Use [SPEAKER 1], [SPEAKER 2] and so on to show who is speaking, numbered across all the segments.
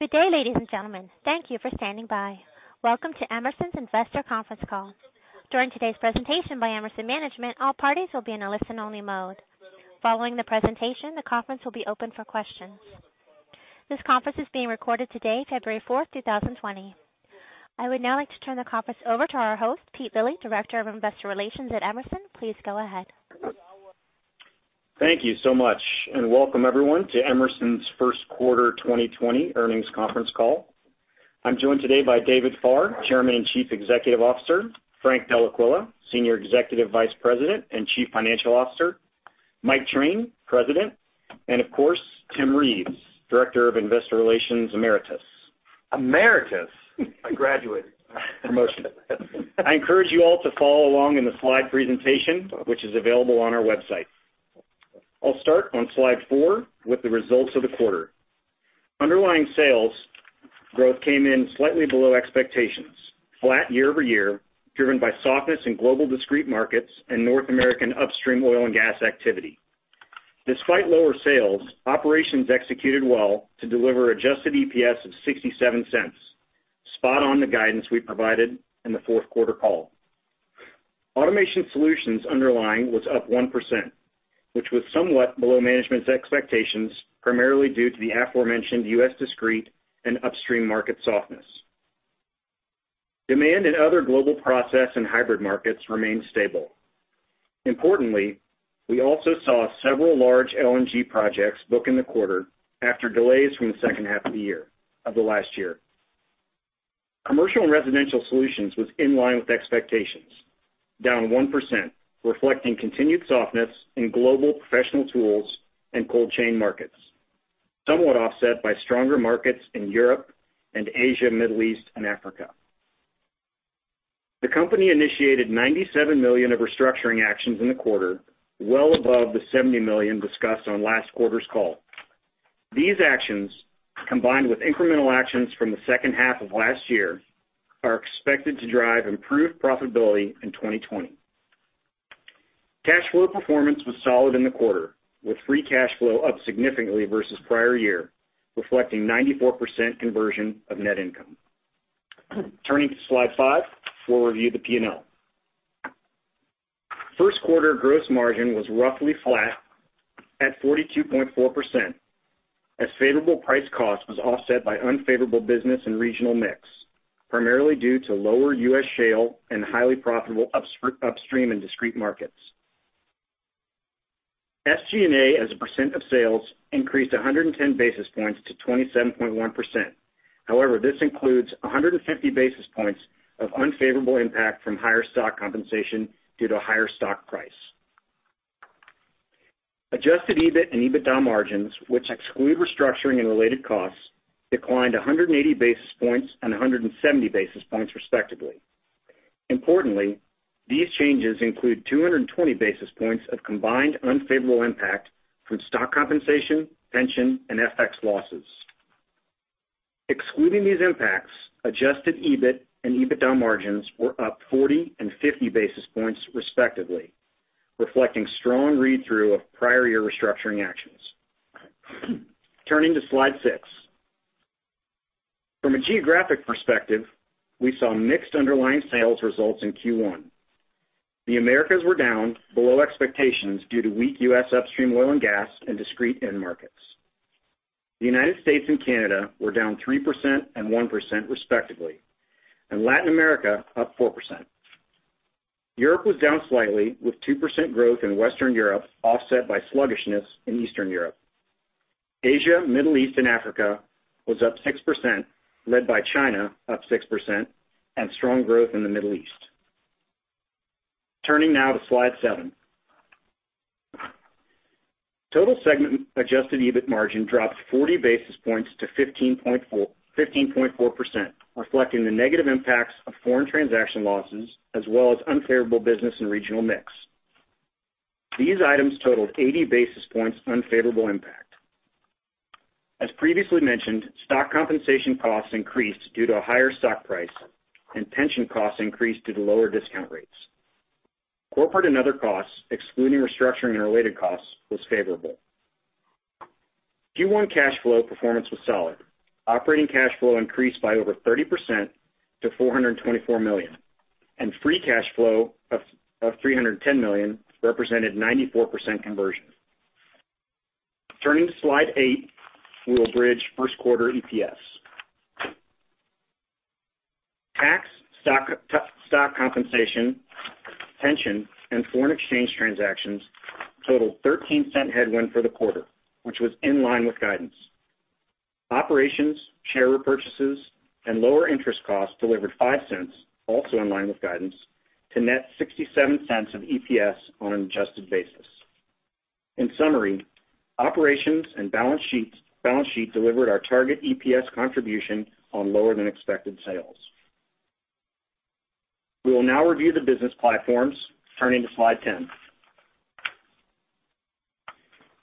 [SPEAKER 1] Good day, ladies and gentlemen. Thank you for standing by. Welcome to Emerson's Investor Conference Call. During today's presentation by Emerson management, all parties will be in a listen-only mode. Following the presentation, the conference will be open for questions. This conference is being recorded today, February fourth, 2020. I would now like to turn the conference over to our host, Pete Lilly, Director of Investor Relations at Emerson. Please go ahead.
[SPEAKER 2] Thank you so much. Welcome everyone to Emerson's first quarter 2020 earnings conference call. I'm joined today by David Farr, Chairman and Chief Executive Officer, Frank Dellaquila, Senior Executive Vice President and Chief Financial Officer, Michael Train, President, and of course, Tim Reeves, Director of Investor Relations, Emeritus.
[SPEAKER 3] Emeritus? I graduated.
[SPEAKER 2] Promotion. I encourage you all to follow along in the slide presentation, which is available on our website. I'll start on slide four with the results of the quarter. Underlying sales growth came in slightly below expectations, flat year-over-year, driven by softness in global discrete markets and North American upstream oil and gas activity. Despite lower sales, operations executed well to deliver adjusted EPS of $0.67, spot on the guidance we provided in the fourth quarter call. Automation Solutions underlying was up 1%, which was somewhat below management's expectations, primarily due to the aforementioned U.S. discrete and upstream market softness. Demand in other global process and hybrid markets remained stable. Importantly, we also saw several large LNG projects book in the quarter after delays from the second half of the last year. Commercial & Residential Solutions was in line with expectations, down 1%, reflecting continued softness in global professional tools and cold chain markets, somewhat offset by stronger markets in Europe and Asia, Middle East and Africa. The company initiated $97 million of restructuring actions in the quarter, well above the $70 million discussed on last quarter's call. These actions, combined with incremental actions from the second half of last year, are expected to drive improved profitability in 2020. Cash flow performance was solid in the quarter, with free cash flow up significantly versus prior year, reflecting 94% conversion of net income. Turning to slide five, we'll review the P&L. First quarter gross margin was roughly flat at 42.4%, as favorable price cost was offset by unfavorable business and regional mix, primarily due to lower U.S. shale and highly profitable upstream and discrete markets. SG&A, as a percent of sales, increased 110 basis points to 27.1%. However, this includes 150 basis points of unfavorable impact from higher stock compensation due to higher stock price. Adjusted EBIT and EBITDA margins, which exclude restructuring and related costs, declined 180 basis points and 170 basis points, respectively. Importantly, these changes include 220 basis points of combined unfavorable impact from stock compensation, pension, and FX losses. Excluding these impacts, adjusted EBIT and EBITDA margins were up 40 and 50 basis points, respectively, reflecting strong read-through of prior year restructuring actions. Turning to slide six. From a geographic perspective, we saw mixed underlying sales results in Q1. The Americas were down below expectations due to weak U.S. upstream oil and gas and discrete end markets. The United States and Canada were down 3% and 1% respectively, and Latin America up 4%. Europe was down slightly, with 2% growth in Western Europe offset by sluggishness in Eastern Europe. Asia, Middle East and Africa was up 6%, led by China up 6%, and strong growth in the Middle East. Turning now to slide seven. Total segment adjusted EBIT margin dropped 40 basis points to 15.4%, reflecting the negative impacts of foreign transaction losses, as well as unfavorable business and regional mix. These items totaled 80 basis points unfavorable impact. As previously mentioned, stock compensation costs increased due to a higher stock price, and pension costs increased due to lower discount rates. Corporate and other costs, excluding restructuring and related costs, was favorable. Q1 cash flow performance was solid. Operating cash flow increased by over 30% to $424 million, and free cash flow of $310 million represented 94% conversion. Turning to slide eight, we will bridge first quarter EPS. Tax, stock compensation, pension, and foreign exchange transactions totaled $0.13 headwind for the quarter, which was in line with guidance. Operations, share repurchases, and lower interest costs delivered $0.05, also in line with guidance, to net $0.67 of EPS on an adjusted basis. In summary, operations and balance sheet delivered our target EPS contribution on lower than expected sales. We will now review the business platforms, turning to slide 10.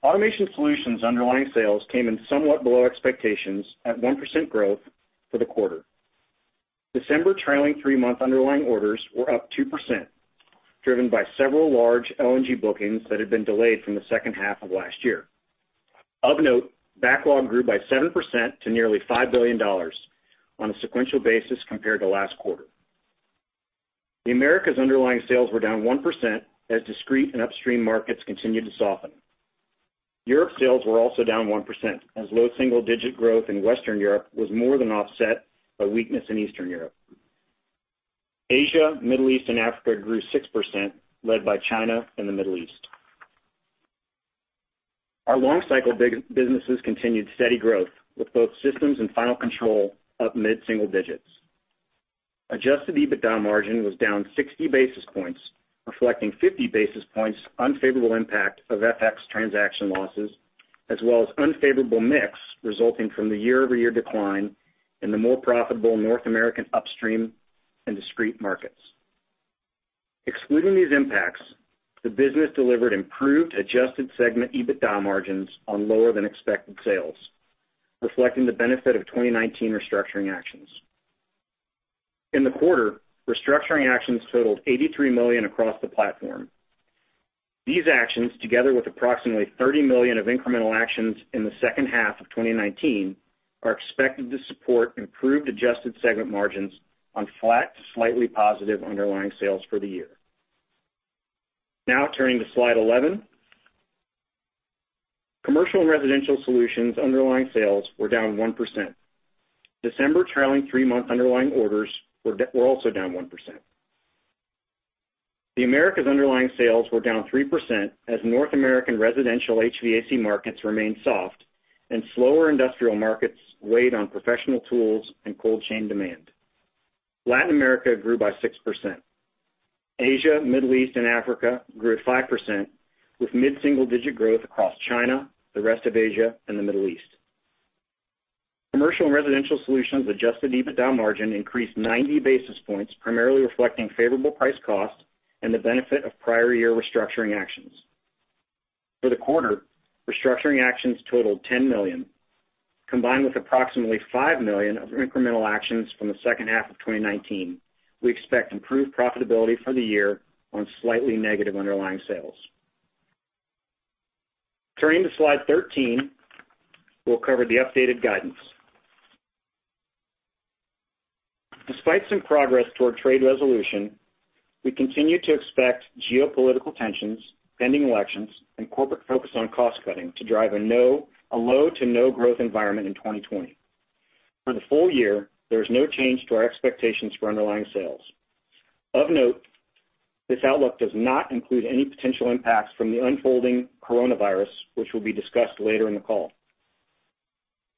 [SPEAKER 2] Automation Solutions underlying sales came in somewhat below expectations at 1% growth for the quarter. December trailing three-month underlying orders were up 2%, driven by several large LNG bookings that had been delayed from the second half of last year. Of note, backlog grew by 7% to nearly $5 billion on a sequential basis compared to last quarter. The Americas' underlying sales were down 1% as discrete and upstream markets continued to soften. Europe sales were also down 1% as low single-digit growth in Western Europe was more than offset by weakness in Eastern Europe. Asia, Middle East, and Africa grew 6%, led by China and the Middle East. Our long-cycle businesses continued steady growth, with both systems and Final Control up mid-single digits. Adjusted EBITDA margin was down 60 basis points, reflecting 50 basis points unfavorable impact of FX transaction losses, as well as unfavorable mix resulting from the year-over-year decline in the more profitable North American upstream and discrete markets. Excluding these impacts, the business delivered improved adjusted segment EBITDA margins on lower than expected sales, reflecting the benefit of 2019 restructuring actions. In the quarter, restructuring actions totaled $83 million across the platform. These actions, together with approximately $30 million of incremental actions in the second half of 2019, are expected to support improved adjusted segment margins on flat to slightly positive underlying sales for the year. Now turning to slide 11. Commercial & Residential Solutions underlying sales were down 1%. December trailing three-month underlying orders were also down 1%. The Americas' underlying sales were down 3% as North American residential HVAC markets remained soft and slower industrial markets weighed on professional tools and cold chain demand. Latin America grew by 6%. Asia, Middle East, and Africa grew 5%, with mid-single digit growth across China, the rest of Asia, and the Middle East. Commercial & Residential Solutions adjusted EBITDA margin increased 90 basis points, primarily reflecting favorable price cost and the benefit of prior year restructuring actions. For the quarter, restructuring actions totalled $10 million, combined with approximately $5 million of incremental actions from the second half of 2019. We expect improved profitability for the year on slightly negative underlying sales. Turning to slide 13, we'll cover the updated guidance. Despite some progress toward trade resolution, we continue to expect geopolitical tensions, pending elections, and corporate focus on cost-cutting to drive a low to no growth environment in 2020. For the full year, there is no change to our expectations for underlying sales. Of note, this outlook does not include any potential impacts from the unfolding coronavirus, which will be discussed later in the call.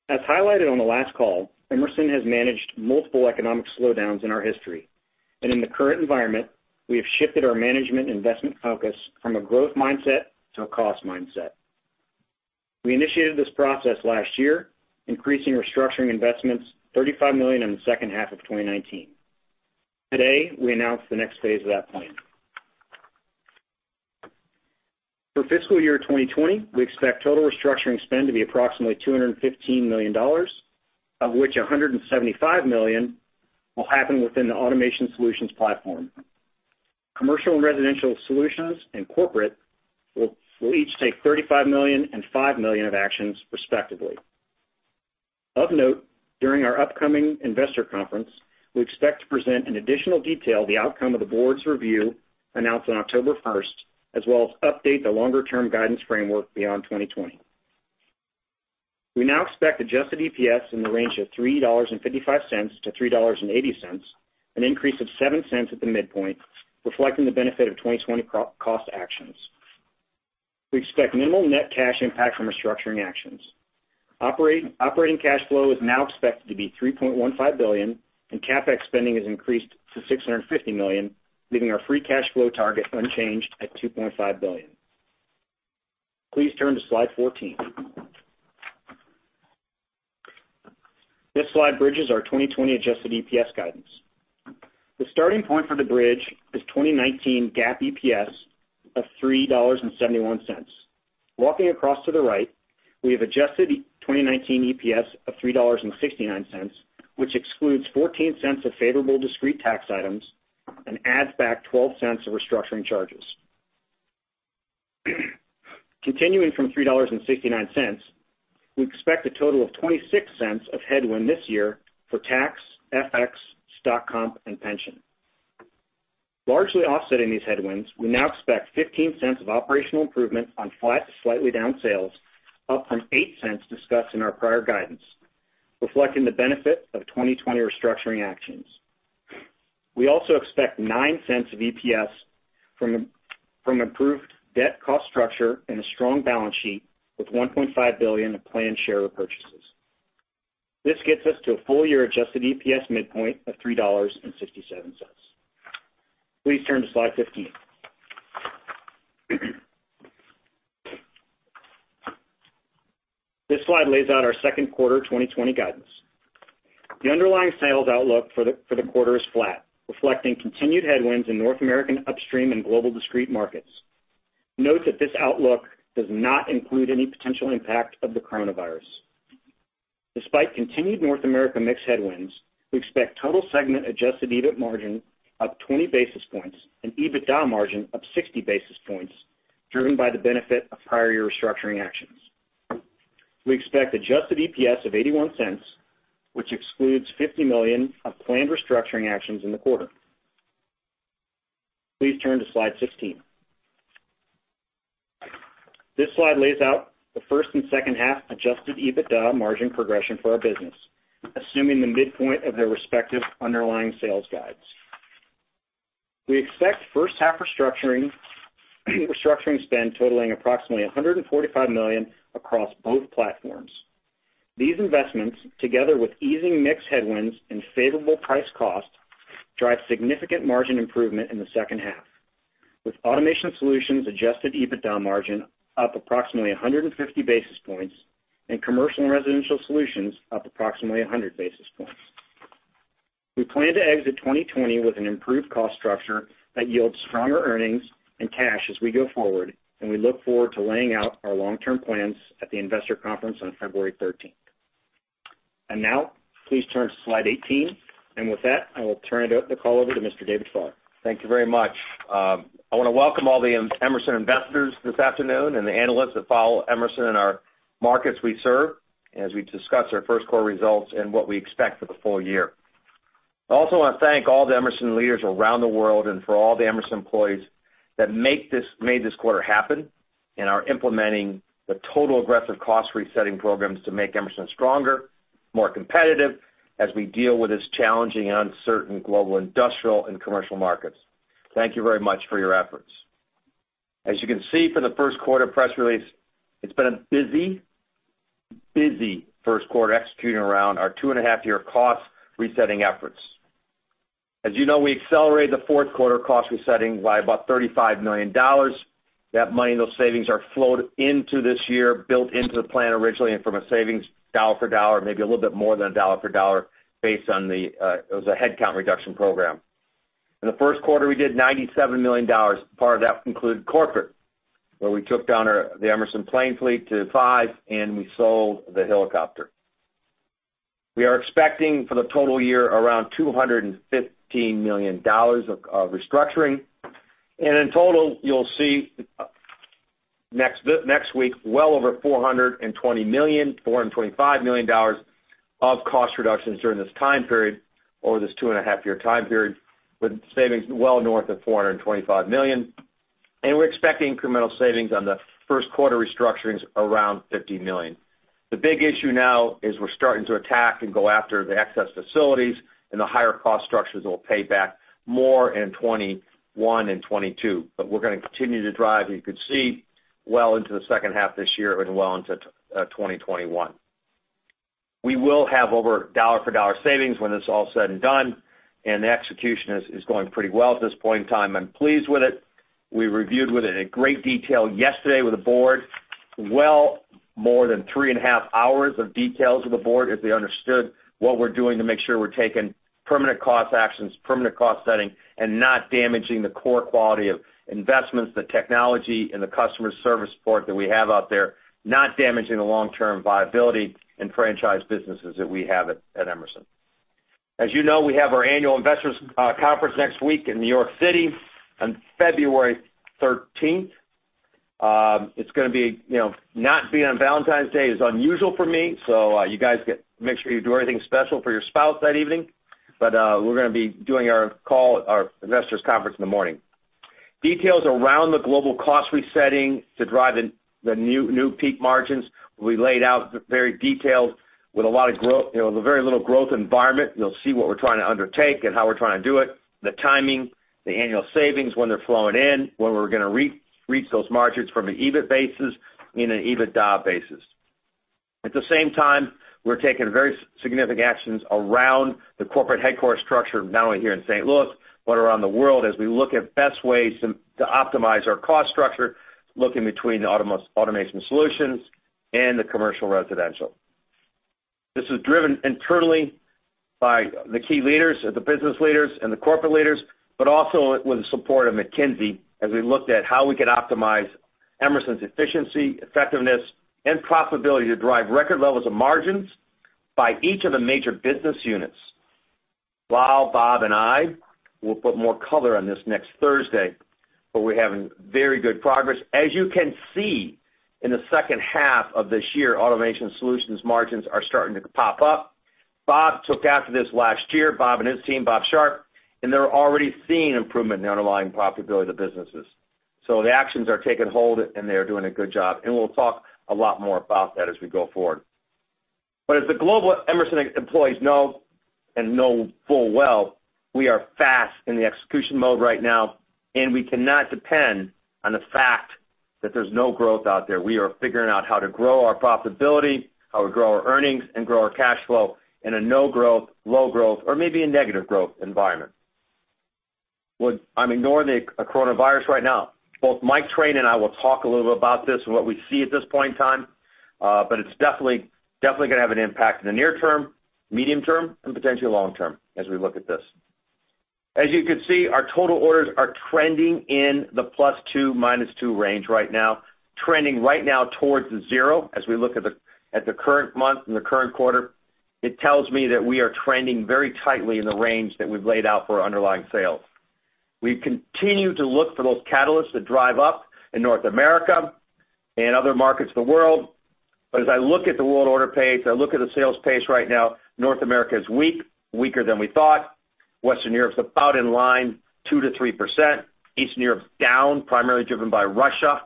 [SPEAKER 2] As highlighted on the last call, Emerson has managed multiple economic slowdowns in our history. In the current environment, we have shifted our management investment focus from a growth mindset to a cost mindset. We initiated this process last year, increasing restructuring investments $35 million in the second half of 2019. Today, we announce the next phase of that plan. For fiscal year 2020, we expect total restructuring spend to be approximately $215 million, of which $175 million will happen within the Automation Solutions platform. Commercial & Residential Solutions and corporate will each take $35 million and $5 million of actions respectively. Of note, during our upcoming investor conference, we expect to present in additional detail the outcome of the board's review announced on October 1st, as well as update the longer-term guidance framework beyond 2020. We now expect adjusted EPS in the range of $3.55-$3.80, an increase of $0.07 at the midpoint, reflecting the benefit of 2020 cost actions. We expect minimal net cash impact from restructuring actions. Operating cash flow is now expected to be $3.15 billion, and CapEx spending is increased to $650 million, leaving our free cash flow target unchanged at $2.5 billion. Please turn to slide 14. This slide bridges our 2020 adjusted EPS guidance. The starting point for the bridge is 2019 GAAP EPS of $3.71. Walking across to the right, we have adjusted 2019 EPS of $3.69, which excludes $0.14 of favorable discrete tax items and adds back $0.12 of restructuring charges. Continuing from $3.69, we expect a total of $0.26 of headwind this year for tax, FX, stock comp, and pension. Largely offsetting these headwinds, we now expect $0.15 of operational improvement on flat to slightly down sales, up from $0.08 discussed in our prior guidance, reflecting the benefit of 2020 restructuring actions. We also expect $0.09 of EPS from improved debt cost structure and a strong balance sheet with $1.5 billion of planned share repurchases. This gets us to a full-year adjusted EPS midpoint of $3.67. Please turn to slide 15. This slide lays out our second quarter 2020 guidance. The underlying sales outlook for the quarter is flat, reflecting continued headwinds in North American upstream and global discrete markets. Note that this outlook does not include any potential impact of the coronavirus. Despite continued North America mix headwinds, we expect total segment adjusted EBIT margin up 20 basis points and EBITDA margin up 60 basis points, driven by the benefit of prior year restructuring actions. We expect adjusted EPS of $0.81, which excludes $50 million of planned restructuring actions in the quarter. Please turn to slide 16. This slide lays out the first and second half adjusted EBITDA margin progression for our business, assuming the midpoint of their respective underlying sales guides. We expect first half restructuring spend totalling approximately $145 million across both platforms. These investments, together with easing mix headwinds and favourable price cost, drive significant margin improvement in the second half, with Automation Solutions adjusted EBITDA margin up approximately 150 basis points and Commercial & Residential Solutions up approximately 100 basis points. We plan to exit 2020 with an improved cost structure that yields stronger earnings and cash as we go forward, and we look forward to laying out our long-term plans at the investor conference on February 13th. Now, please turn to slide 18. With that, I will turn the call over to Mr. David Farr.
[SPEAKER 3] Thank you very much. I want to welcome all the Emerson investors this afternoon and the analysts that follow Emerson in our markets we serve as we discuss our first quarter results and what we expect for the full year. I also want to thank all the Emerson leaders around the world and for all the Emerson employees that made this quarter happen and are implementing the total aggressive cost resetting programs to make Emerson stronger, more competitive as we deal with this challenging and uncertain global industrial and commercial markets. Thank you very much for your efforts. As you can see from the first quarter press release, it's been a busy first quarter executing around our two-and-a-half-year cost resetting efforts. As you know, we accelerated the fourth quarter cost resetting by about $35 million. That money and those savings are flowed into this year, built into the plan originally and from a savings dollar for dollar, maybe a little bit more than a dollar for dollar based on the headcount reduction program. In the first quarter, we did $97 million. Part of that included corporate, where we took down the Emerson plane fleet to five, and we sold the helicopter. We are expecting for the total year around $215 million of restructuring. In total, you'll see next week well over $420 million, $425 million of cost reductions during this time period, over this two-and-a-half-year time period, with savings well north of $425 million. We're expecting incremental savings on the first quarter restructurings around $50 million. The big issue now is we're starting to attack and go after the excess facilities. The higher cost structures will pay back more in 2021 and 2022. We're going to continue to drive, as you can see, well into the second half this year and well into 2021. We will have over dollar for dollar savings when it's all said and done. The execution is going pretty well at this point in time. I'm pleased with it. We reviewed it in great detail yesterday with the board. Well more than three and a half hours of details with the board, as they understood what we're doing to make sure we're taking permanent cost actions, permanent cost setting, and not damaging the core quality of investments, the technology, and the customer service support that we have out there. Not damaging the long-term viability and franchise businesses that we have at Emerson. As you know, we have our annual investors conference next week in New York City on February 13th. Not being on Valentine's Day is unusual for me, so you guys make sure you do everything special for your spouse that evening. We're going to be doing our investors conference in the morning. Details around the global cost resetting to drive the new peak margins will be laid out very detailed with a very little growth environment. You'll see what we're trying to undertake and how we're trying to do it, the timing, the annual savings, when they're flowing in, when we're going to reach those margins from an EBIT basis and an EBITDA basis. At the same time, we're taking very significant actions around the corporate headquarter structure, not only here in St. Louis, but around the world as we look at best ways to optimize our cost structure, looking between the Automation Solutions and the Commercial Residential. This is driven internally by the key leaders, the business leaders, and the corporate leaders, but also with the support of McKinsey as we looked at how we could optimize Emerson's efficiency, effectiveness, and profitability to drive record levels of margins by each of the major business units. Bob and I will put more color on this next Thursday, but we're having very good progress. As you can see, in the second half of this year, Automation Solutions margins are starting to pop up. Bob took after this last year, Bob and his team, Bob Sharp, and they're already seeing improvement in the underlying profitability of the businesses. The actions are taking hold, and they are doing a good job, and we'll talk a lot more about that as we go forward. As the global Emerson employees know, and know full well, we are fast in the execution mode right now, and we cannot depend on the fact that there's no growth out there. We are figuring out how to grow our profitability, how to grow our earnings, and grow our cash flow in a no growth, low growth, or maybe a negative growth environment. I'm ignoring the coronavirus right now. Both Mike Train and I will talk a little bit about this and what we see at this point in time, but it's definitely going to have an impact in the near term, medium term, and potentially long term as we look at this. As you can see, our total orders are trending in the +2, -2 range right now. Trending right now towards the zero, as we look at the current month and the current quarter. It tells me that we are trending very tightly in the range that we've laid out for underlying sales. We continue to look for those catalysts that drive up in North America and other markets of the world. As I look at the world order pace, I look at the sales pace right now, North America is weak, weaker than we thought. Western Europe's about in line 2%-3%. Eastern Europe's down, primarily driven by Russia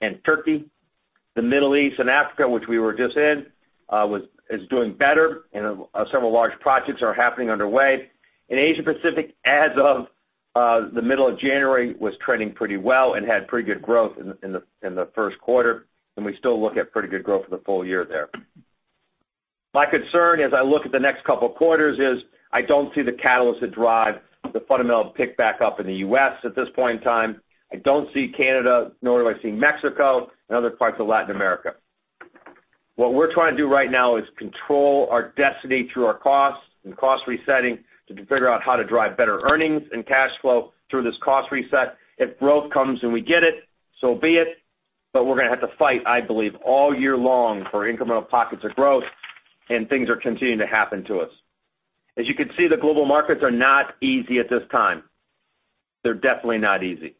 [SPEAKER 3] and Turkey. The Middle East and Africa, which we were just in, is doing better, and several large projects are happening underway. In Asia Pacific, as of the middle of January, was trending pretty well and had pretty good growth in the first quarter, and we still look at pretty good growth for the full year there. My concern as I look at the next couple of quarters is I don't see the catalyst to drive the fundamentals to pick back up in the U.S. at this point in time. I don't see Canada, nor do I see Mexico and other parts of Latin America. What we're trying to do right now is control our destiny through our costs and cost resetting to figure out how to drive better earnings and cash flow through this cost reset. If growth comes and we get it, so be it. We're going to have to fight, I believe, all year long for incremental pockets of growth, and things are continuing to happen to us. You can see, the global markets are not easy at this time. They're definitely not easy.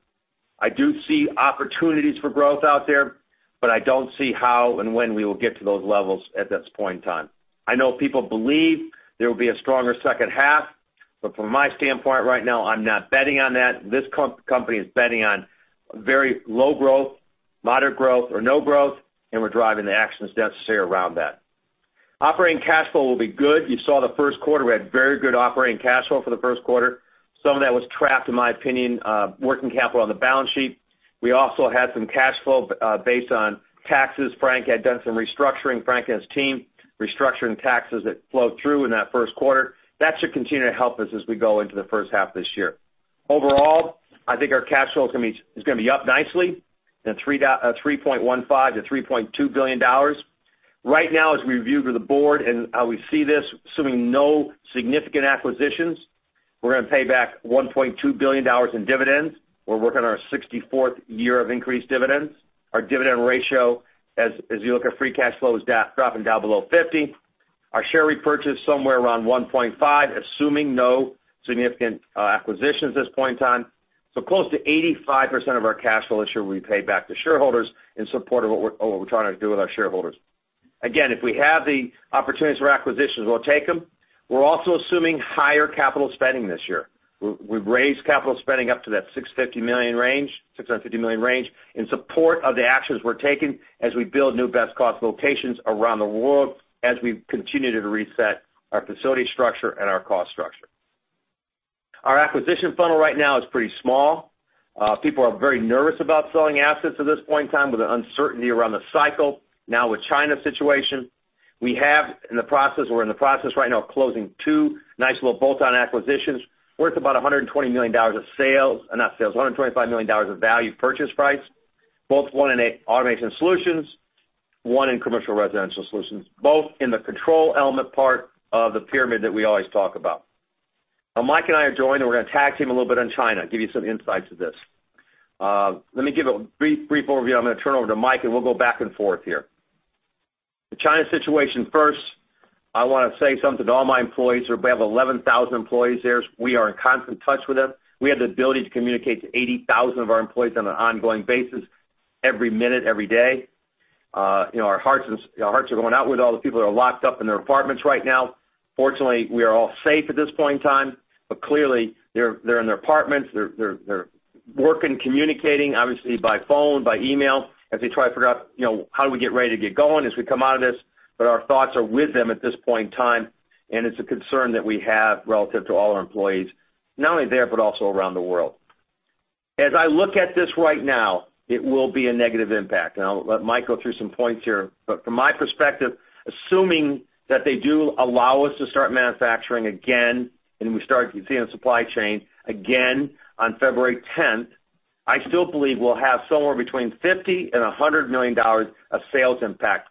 [SPEAKER 3] I do see opportunities for growth out there. I don't see how and when we will get to those levels at this point in time. I know people believe there will be a stronger second half. From my standpoint right now, I'm not betting on that. This company is betting on very low growth, moderate growth, or no growth, and we're driving the actions necessary around that. Operating cash flow will be good. You saw the first quarter, we had very good operating cash flow for the first quarter. Some of that was trapped, in my opinion, working capital on the balance sheet. We also had some cash flow based on taxes. Frank had done some restructuring, Frank and his team, restructuring taxes that flowed through in that first quarter. That should continue to help us as we go into the first half of this year. I think our cash flow is going to be up nicely in $3.15 billion-$3.2 billion. As we reviewed with the board and how we see this, assuming no significant acquisitions, we're going to pay back $1.2 billion in dividends. We're working on our 64th year of increased dividends. Our dividend ratio, as you look at free cash flow, is dropping down below 50. Our share repurchase somewhere around $1.5 billion, assuming no significant acquisitions at this point in time. Close to 85% of our cash flow this year will be paid back to shareholders in support of what we're trying to do with our shareholders. Again, if we have the opportunities for acquisitions, we'll take them. We're also assuming higher capital spending this year. We've raised capital spending up to that $650 million range in support of the actions we're taking as we build new best cost locations around the world as we continue to reset our facility structure and our cost structure. Our acquisition funnel right now is pretty small. People are very nervous about selling assets at this point in time with the uncertainty around the cycle, now with China situation. We're in the process right now of closing two nice little bolt-on acquisitions worth about $125 million of value purchase price, both one in Automation Solutions, one in Commercial & Residential Solutions, both in the control element part of the pyramid that we always talk about. Mike and I are joined, and we're going to tag team a little bit on China, give you some insights of this. Let me give a brief overview. I'm going to turn it over to Mike, we'll go back and forth here. The China situation first, I want to say something to all my employees. We have 11,000 employees there. We are in constant touch with them. We have the ability to communicate to 80,000 of our employees on an ongoing basis every minute, every day. Our hearts are going out with all the people that are locked up in their apartments right now. Fortunately, we are all safe at this point in time, but clearly they're in their apartments. They're working, communicating, obviously by phone, by email, as they try to figure out how do we get ready to get going as we come out of this. Our thoughts are with them at this point in time, and it's a concern that we have relative to all our employees, not only there, but also around the world. As I look at this right now, it will be a negative impact. I'll let Mike go through some points here. From my perspective, assuming that they do allow us to start manufacturing again, and we start seeing a supply chain again on February 10th, I still believe we'll have somewhere between $50 million and $100 million of sales impact.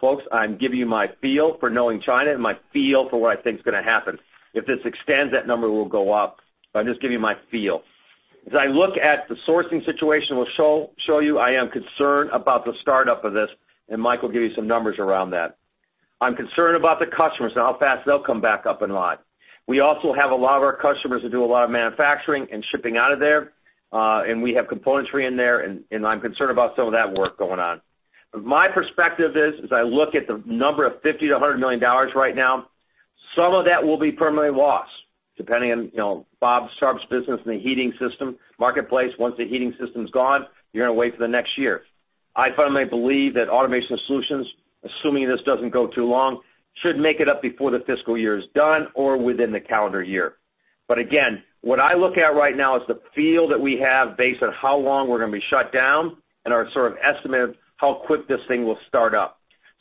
[SPEAKER 3] Folks, I'm giving you my feel for knowing China and my feel for what I think is going to happen. If this extends, that number will go up, I'm just giving you my feel. As I look at the sourcing situation, we'll show you I am concerned about the startup of this, Mike will give you some numbers around that. I'm concerned about the customers and how fast they'll come back up and live. We also have a lot of our customers that do a lot of manufacturing and shipping out of there, and we have components we bring there, and I'm concerned about some of that work going on. My perspective is, as I look at the number of $50 million-$100 million right now, some of that will be permanently lost, depending on Bob Sharp's business in the heating system marketplace. Once the heating system's gone, you're going to wait for the next year. I firmly believe that Automation Solutions, assuming this doesn't go too long, should make it up before the fiscal year is done or within the calendar year. Again, what I look at right now is the feel that we have based on how long we're going to be shut down and our sort of estimate of how quick this thing will start up.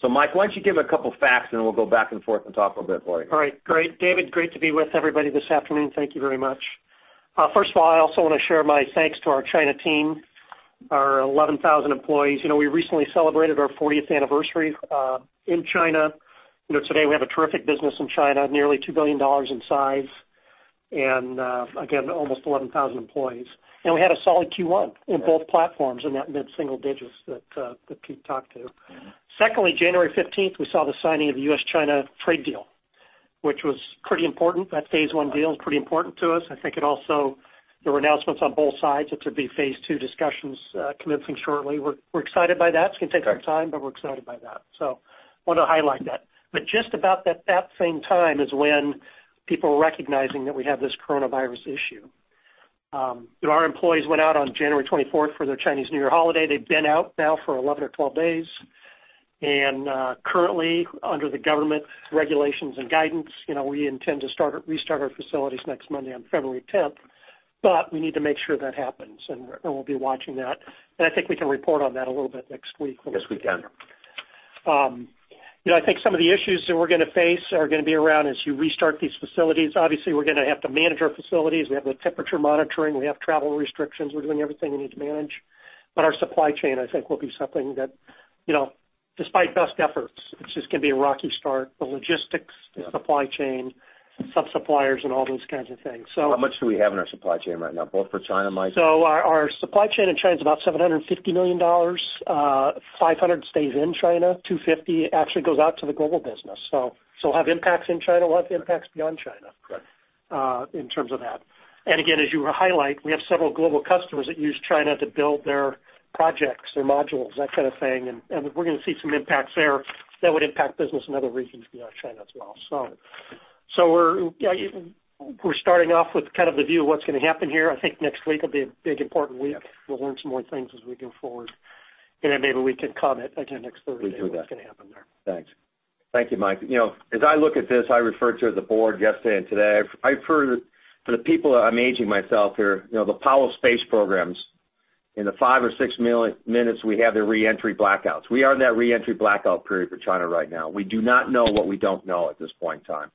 [SPEAKER 3] Mike, why don't you give a couple of facts, and then we'll go back and forth and talk a little bit for you.
[SPEAKER 4] All right, great. David, great to be with everybody this afternoon. Thank you very much. First of all, I also want to share my thanks to our China team. Our 11,000 employees. We recently celebrated our 40th anniversary in China. Today we have a terrific business in China, nearly $2 billion in size, and again, almost 11,000 employees. We had a solid Q1 in both platforms in that mid-single digits that Pete talked to. Secondly, January 15th, we saw the signing of the US-China trade deal, which was pretty important. That Phase One deal is pretty important to us. I think there were announcements on both sides that there'd be phase two discussions commencing shortly. We're excited by that. It's going to take some time, but we're excited by that. Wanted to highlight that. Just about at that same time is when people were recognizing that we have this coronavirus issue. Our employees went out on January 24th for their Chinese New Year holiday. They've been out now for 11 or 12 days. Currently, under the government regulations and guidance, we intend to restart our facilities next Monday on February 10th, but we need to make sure that happens, and we'll be watching that. I think we can report on that a little bit next week.
[SPEAKER 3] Yes, we can.
[SPEAKER 4] I think some of the issues that we're going to face are going to be around as you restart these facilities. Obviously, we're going to have to manage our facilities. We have the temperature monitoring. We have travel restrictions. We're doing everything we need to manage. Our supply chain, I think, will be something that despite best efforts, it's just going to be a rocky start.
[SPEAKER 3] Yeah
[SPEAKER 4] the supply chain, sub-suppliers, and all those kinds of things.
[SPEAKER 3] How much do we have in our supply chain right now, both for China, Mike?
[SPEAKER 4] Our supply chain in China is about $750 million. $500 stays in China, $250 actually goes out to the global business. We'll have impacts in China, we'll have impacts beyond China.
[SPEAKER 3] Correct
[SPEAKER 4] In terms of that. Again, as you were highlighting, we have several global customers that use China to build their projects, their modules, that kind of thing. We're going to see some impacts there that would impact business in other regions beyond China as well. We're starting off with kind of the view of what's going to happen here. I think next week will be a big, important week.
[SPEAKER 3] Yeah.
[SPEAKER 4] We'll learn some more things as we go forward, and then maybe we can comment again next Thursday.
[SPEAKER 3] We do that.
[SPEAKER 4] what's going to happen there.
[SPEAKER 3] Thanks. Thank you, Mike. As I look at this, I referred to the board yesterday and today. I've heard for the people, I'm aging myself here, the Apollo space programs. In the five or six minutes we have their re-entry blackouts. We are in that re-entry blackout period for China right now. We do not know what we don't know at this point in time.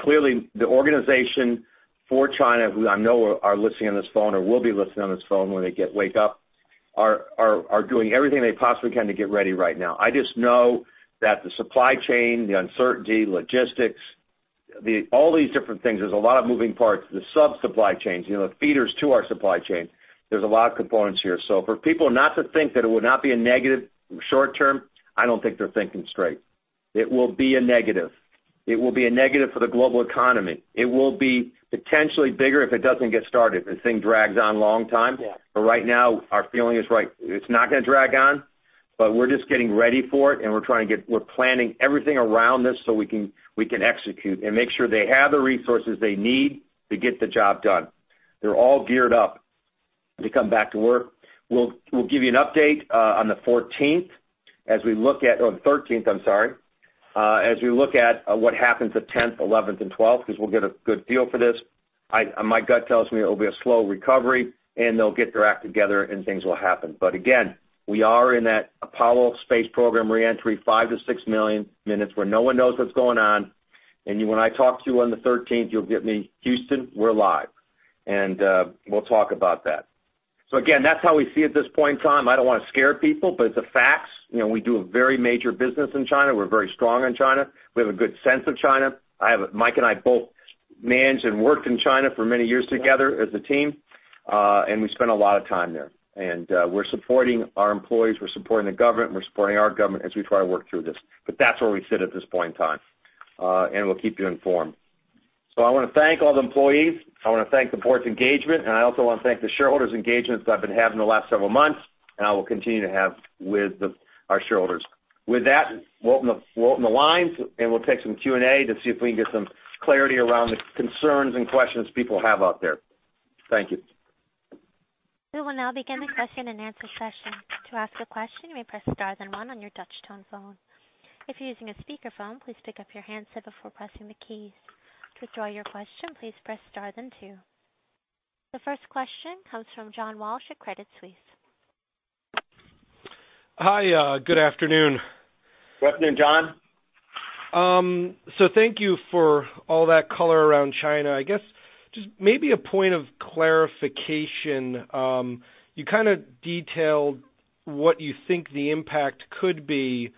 [SPEAKER 3] Clearly, the organization for China, who I know are listening on this phone or will be listening on this phone when they wake up, are doing everything they possibly can to get ready right now. I just know that the supply chain, the uncertainty, logistics, all these different things. There's a lot of moving parts. The sub-supply chains, the feeders to our supply chain. There's a lot of components here. For people not to think that it would not be a negative short-term, I don't think they're thinking straight. It will be a negative. It will be a negative for the global economy. It will be potentially bigger if it doesn't get started, if the thing drags on a long time.
[SPEAKER 4] Yeah.
[SPEAKER 3] Right now, our feeling is it's not going to drag on, but we're just getting ready for it, and we're planning everything around this so we can execute and make sure they have the resources they need to get the job done. They're all geared up to come back to work. We'll give you an update on the 14th as we look at on the 13th, I'm sorry. We look at what happens the 10th, 11th, and 12th, because we'll get a good feel for this. My gut tells me it'll be a slow recovery, and they'll get their act together, and things will happen. Again, we are in that Apollo space program re-entry, 5 million-6 million minutes where no one knows what's going on. When I talk to you on the 13th, you'll get me, "Houston, we're live." We'll talk about that. Again, that's how we see at this point in time. I don't want to scare people, but it's the facts. We do a very major business in China. We're very strong in China. We have a good sense of China. Mike and I both managed and worked in China for many years together as a team.
[SPEAKER 4] Yeah.
[SPEAKER 3] We spent a lot of time there. We're supporting our employees, we're supporting the government, and we're supporting our government as we try to work through this. That's where we sit at this point in time. We'll keep you informed. I want to thank all the employees. I want to thank the board's engagement, and I also want to thank the shareholders' engagements I've been having the last several months, and I will continue to have with our shareholders. With that, we'll open the lines, and we'll take some Q&A to see if we can get some clarity around the concerns and questions people have out there. Thank you.
[SPEAKER 1] We will now begin the question and answer session. To ask a question, you may press star then one on your touch tone phone. If you're using a speakerphone, please pick up your handset before pressing the keys. To withdraw your question, please press star then two. The first question comes from John Walsh at Credit Suisse.
[SPEAKER 5] Hi. Good afternoon.
[SPEAKER 3] Good afternoon, John.
[SPEAKER 5] Thank you for all that color around China. I guess just maybe a point of clarification. You kind of detailed what you think the impact could be,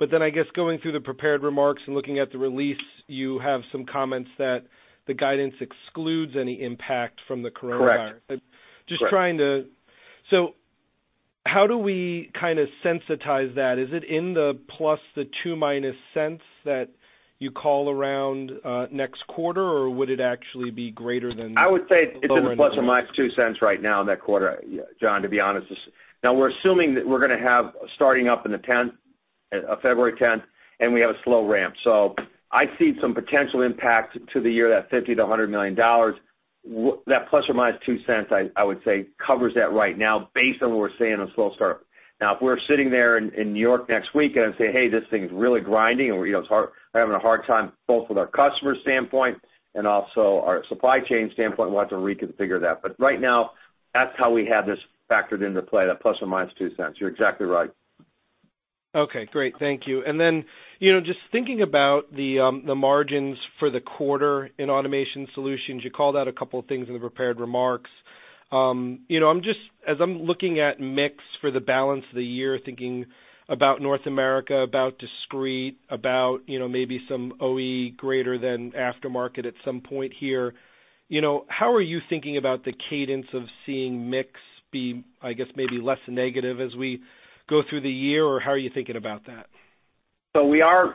[SPEAKER 5] I guess going through the prepared remarks and looking at the release, you have some comments that the guidance excludes any impact from the coronavirus.
[SPEAKER 3] Correct.
[SPEAKER 5] How do we kind of sensitize that? Is it in the ±$0.02 that you call around next quarter, or would it actually be greater than?
[SPEAKER 3] I would say it's in the ±$0.02 right now in that quarter, John, to be honest. We're assuming that we're going to have starting up in the 10th, February 10th, and we have a slow ramp. I see some potential impact to the year, that $50 million-$100 million. That ±$0.02 I would say covers that right now based on what we're seeing on slow start. If we're sitting there in New York next week and I'm saying, "Hey, this thing's really grinding, and we're having a hard time both with our customer standpoint and also our supply chain standpoint, and we'll have to reconfigure that." Right now, that's how we have this factored into play, that ±$0.02. You're exactly right.
[SPEAKER 5] Okay, great. Thank you. Just thinking about the margins for the quarter in Automation Solutions, you called out a couple of things in the prepared remarks. As I'm looking at mix for the balance of the year, thinking about North America, about discrete, about maybe some OE greater than aftermarket at some point here. How are you thinking about the cadence of seeing mix be, I guess, maybe less negative as we go through the year? How are you thinking about that?
[SPEAKER 3] What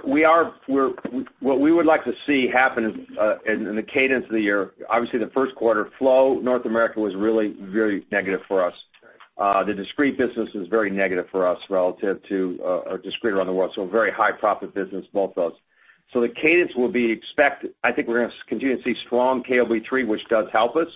[SPEAKER 3] we would like to see happen in the cadence of the year, obviously the first quarter flow, North America was really very negative for us.
[SPEAKER 5] Right.
[SPEAKER 3] The discrete business was very negative for us relative to our discrete around the world. Very high profit business, both those. The cadence will be expect, I think we're going to continue to see strong KOB 3, which does help us.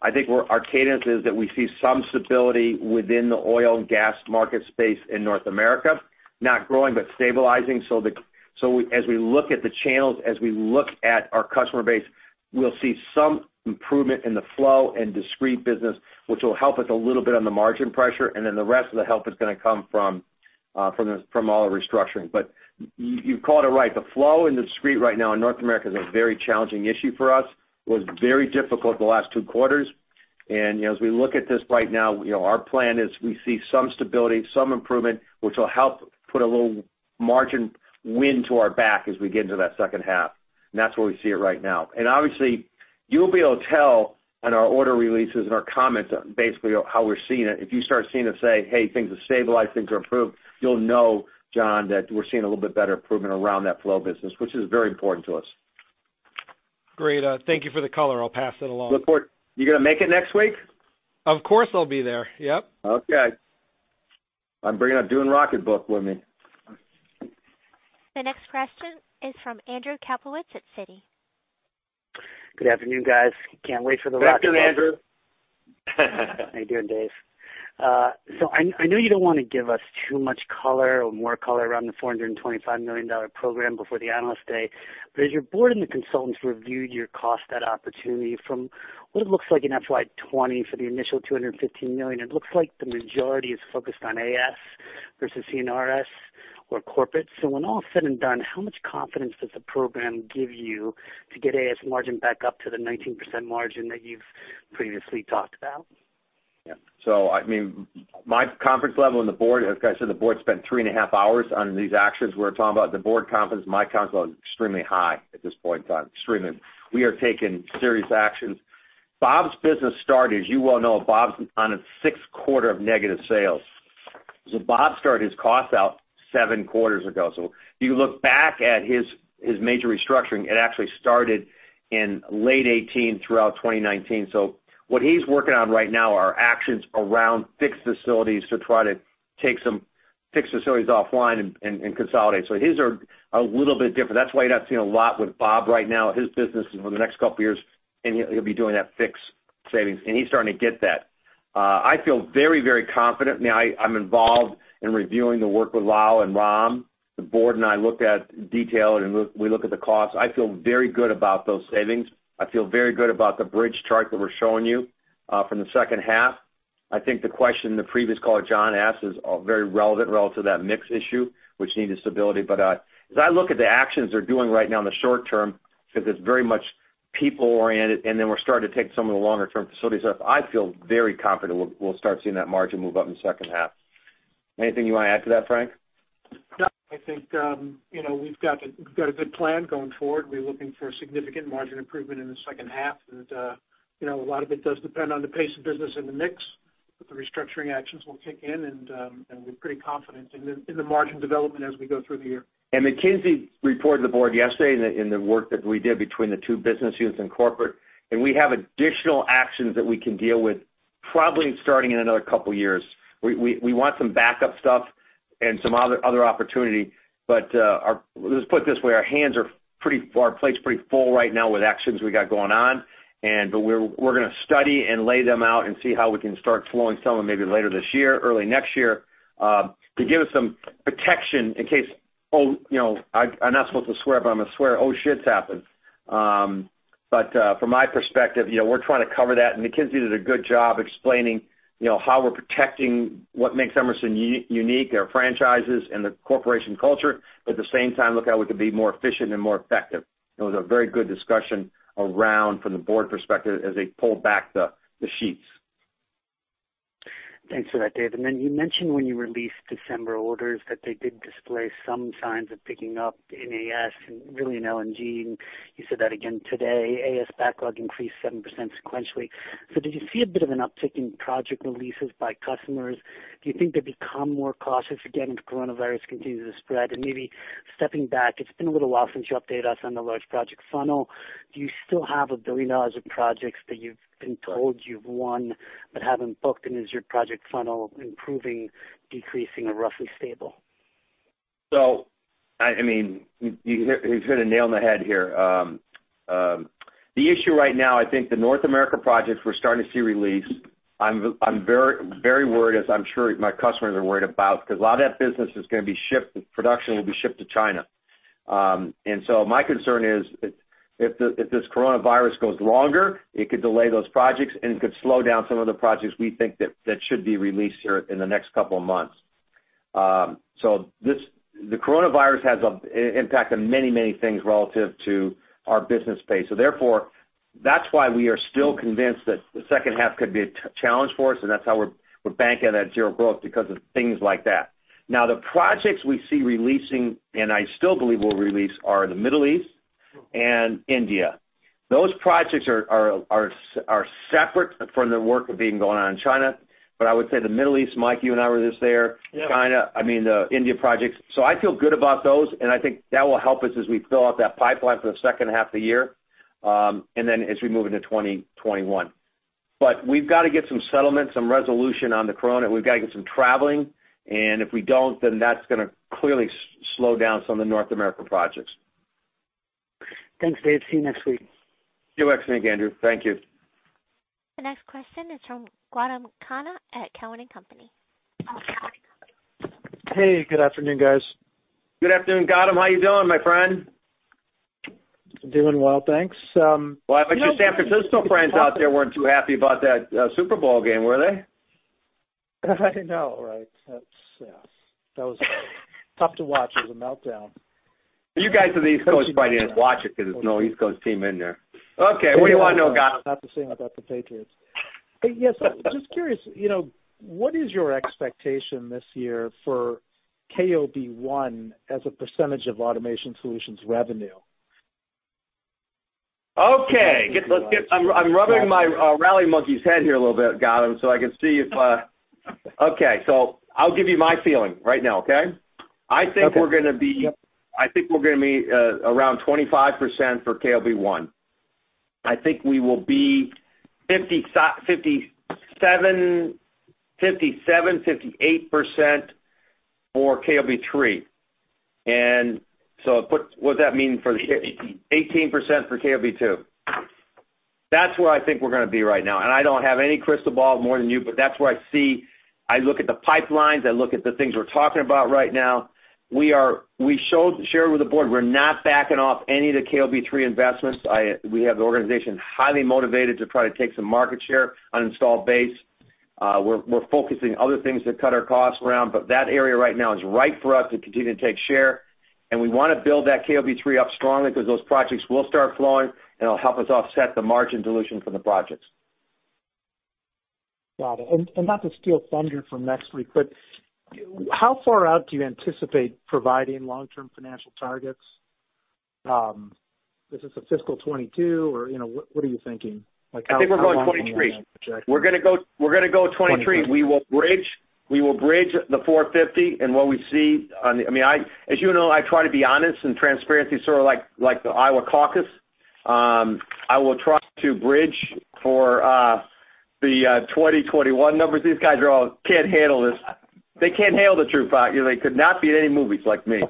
[SPEAKER 3] I think our cadence is that we see some stability within the oil and gas market space in North America, not growing, but stabilizing. As we look at the channels, as we look at our customer base, we'll see some improvement in the flow and discrete business, which will help us a little bit on the margin pressure. The rest of the help is going to come from all the restructuring. You called it right. The flow in discrete right now in North America is a very challenging issue for us. Was very difficult the last two quarters. As we look at this right now, our plan is we see some stability, some improvement, which will help put a little margin wind to our back as we get into that second half. That's where we see it right now. Obviously, you'll be able to tell on our order releases and our comments basically how we're seeing it. If you start seeing us say, "Hey, things have stabilized, things are improved," you'll know, John, that we're seeing a little bit better improvement around that flow business, which is very important to us.
[SPEAKER 5] Great. Thank you for the color. I will pass it along.
[SPEAKER 3] Look forward. You going to make it next week?
[SPEAKER 5] Of course, I'll be there. Yep.
[SPEAKER 3] Okay. I'm bringing a Dune rocket book with me.
[SPEAKER 1] The next question is from Andrew Kaplowitz at Citi.
[SPEAKER 6] Good afternoon, guys. Can't wait for the rocket book.
[SPEAKER 3] Good afternoon, Andrew.
[SPEAKER 6] How you doing, Dave? I know you don't want to give us too much color or more color around the $425 million program before the Analyst Day. As your board and the consultants reviewed your cost, that opportunity from what it looks like in FY 2020 for the initial $215 million, it looks like the majority is focused on AS versus C&RS or corporate. When all is said and done, how much confidence does the program give you to get AS margin back up to the 19% margin that you've previously talked about?
[SPEAKER 3] Yeah. My confidence level in the board, as I said, the board spent three and a half hours on these actions we're talking about. The board confidence, my confidence is extremely high at this point in time. Extremely. We are taking serious actions. Bob's business start, as you well know, Bob's on his sixth quarter of negative sales. Bob started his cost out seven quarters ago. If you look back at his major restructuring, it actually started in late 2018, throughout 2019. What he's working on right now are actions around fixed facilities to try to take some fixed facilities offline and consolidate. His are a little bit different. That's why you're not seeing a lot with Bob right now. His business is over the next couple of years, and he'll be doing that fixed savings, and he's starting to get that. I feel very, very confident. Now I'm involved in reviewing the work with Lal and Ram. The board and I looked at detail and we look at the costs. I feel very good about those savings. I feel very good about the bridge chart that we're showing you from the second half. I think the question the previous caller, John, asked is very relevant relative to that mix issue, which needed stability. As I look at the actions they're doing right now in the short term, because it's very much people-oriented, and then we're starting to take some of the longer-term facilities up. I feel very confident we'll start seeing that margin move up in the second half. Anything you want to add to that, Frank?
[SPEAKER 7] No. I think we've got a good plan going forward. We're looking for significant margin improvement in the second half. A lot of it does depend on the pace of business and the mix, but the restructuring actions will kick in, and we're pretty confident in the margin development as we go through the year.
[SPEAKER 3] McKinsey reported to the board yesterday in the work that we did between the two business units and corporate, and we have additional actions that we can deal with, probably starting in another couple of years. We want some backup stuff and some other opportunity. Let's put it this way, our plate's pretty full right now with actions we got going on. We're going to study and lay them out and see how we can start flowing some of them maybe later this year, early next year, to give us some protection in case, I'm not supposed to swear, but I'm going to swear, oh, happens. From my perspective, we're trying to cover that. McKinsey did a good job explaining how we're protecting what makes Emerson unique, our franchises and the corporation culture. At the same time, look at how we can be more efficient and more effective. It was a very good discussion around from the board perspective as they pulled back the sheets.
[SPEAKER 6] Thanks for that, Dave. You mentioned when you released December orders that they did display some signs of picking up in AS and really in LNG, and you said that again today. AS backlog increased 7% sequentially. Did you see a bit of an uptick in project releases by customers? Do you think they've become more cautious again as coronavirus continues to spread? Maybe stepping back, it's been a little while since you updated us on the large project funnel. Do you still have $1 billion of projects that you've been told you've won but haven't booked, and is your project funnel improving, decreasing, or roughly stable?
[SPEAKER 3] You've hit the nail on the head here. The issue right now, I think the North America projects we're starting to see release. I'm very worried, as I'm sure my customers are worried about, because a lot of that business is going to be shipped, production will be shipped to China. My concern is if this coronavirus goes longer, it could delay those projects and it could slow down some of the projects we think that should be released here in the next couple of months. The coronavirus has an impact on many, many things relative to our business space. Therefore, that's why we are still convinced that the second half could be a challenge for us, and that's how we're banking on that zero growth, because of things like that. The projects we see releasing, and I still believe will release, are the Middle East and India. Those projects are separate from the work going on in China. I would say the Middle East, Mike, you and I were just there. Yeah. China, I mean, the India projects. I feel good about those, and I think that will help us as we fill out that pipeline for the second half of the year, and then as we move into 2021. We've got to get some settlement, some resolution on the corona. We've got to get some travelling, and if we don't, then that's going to clearly slow down some of the North American projects.
[SPEAKER 6] Thanks, Dave. See you next week.
[SPEAKER 3] See you next week, Andrew. Thank you.
[SPEAKER 1] The next question is from Gautam Khanna at Cowen and Company.
[SPEAKER 8] Hey, good afternoon, guys.
[SPEAKER 3] Good afternoon, Gautam. How you doing, my friend?
[SPEAKER 8] Doing well, thanks.
[SPEAKER 3] Well, I bet your San Francisco friends out there weren't too happy about that Super Bowl game, were they?
[SPEAKER 8] I know, right? That was tough to watch. It was a meltdown.
[SPEAKER 3] You guys in the East Coast might even watch it because there's no East Coast team in there. Okay. What do you want to know, Gautam?
[SPEAKER 8] Not the same without the Patriots. Yes. Just curious, what is your expectation this year for KOB-1 as a percentage of Automation Solutions revenue?
[SPEAKER 3] Okay. I'm rubbing my rally monkey's head here a little bit, Gautam, so I can see. Okay. I'll give you my feeling right now, okay?
[SPEAKER 8] Okay. Yep.
[SPEAKER 3] I think we're going to be around 25% for KOB-1. I think we will be 57%, 58% for KOB-3. What does that mean? 18% for KOB-2. That's where I think we're going to be right now, and I don't have any crystal ball more than you, but that's where I see. I look at the pipelines, I look at the things we're talking about right now. We shared with the board, we're not backing off any of the KOB-3 investments. We have the organization highly motivated to try to take some market share on installed base. We're focusing other things to cut our costs around. That area right now is right for us to continue to take share, and we want to build that KOB-3 up strongly because those projects will start flowing, and it'll help us offset the margin dilution from the projects.
[SPEAKER 8] Got it. Not to steal thunder from next week, but how far out do you anticipate providing long-term financial targets? Is this a fiscal 2022, or what are you thinking?
[SPEAKER 3] I think we're going 2023. We're going to go 2023. We will bridge the $450 and what we see. As you know, I try to be honest, and transparency's sort of like the Iowa caucus. I will try to bridge for the 2021 numbers. These guys all can't handle this. They can't handle the truth. They could not be in any movies like me.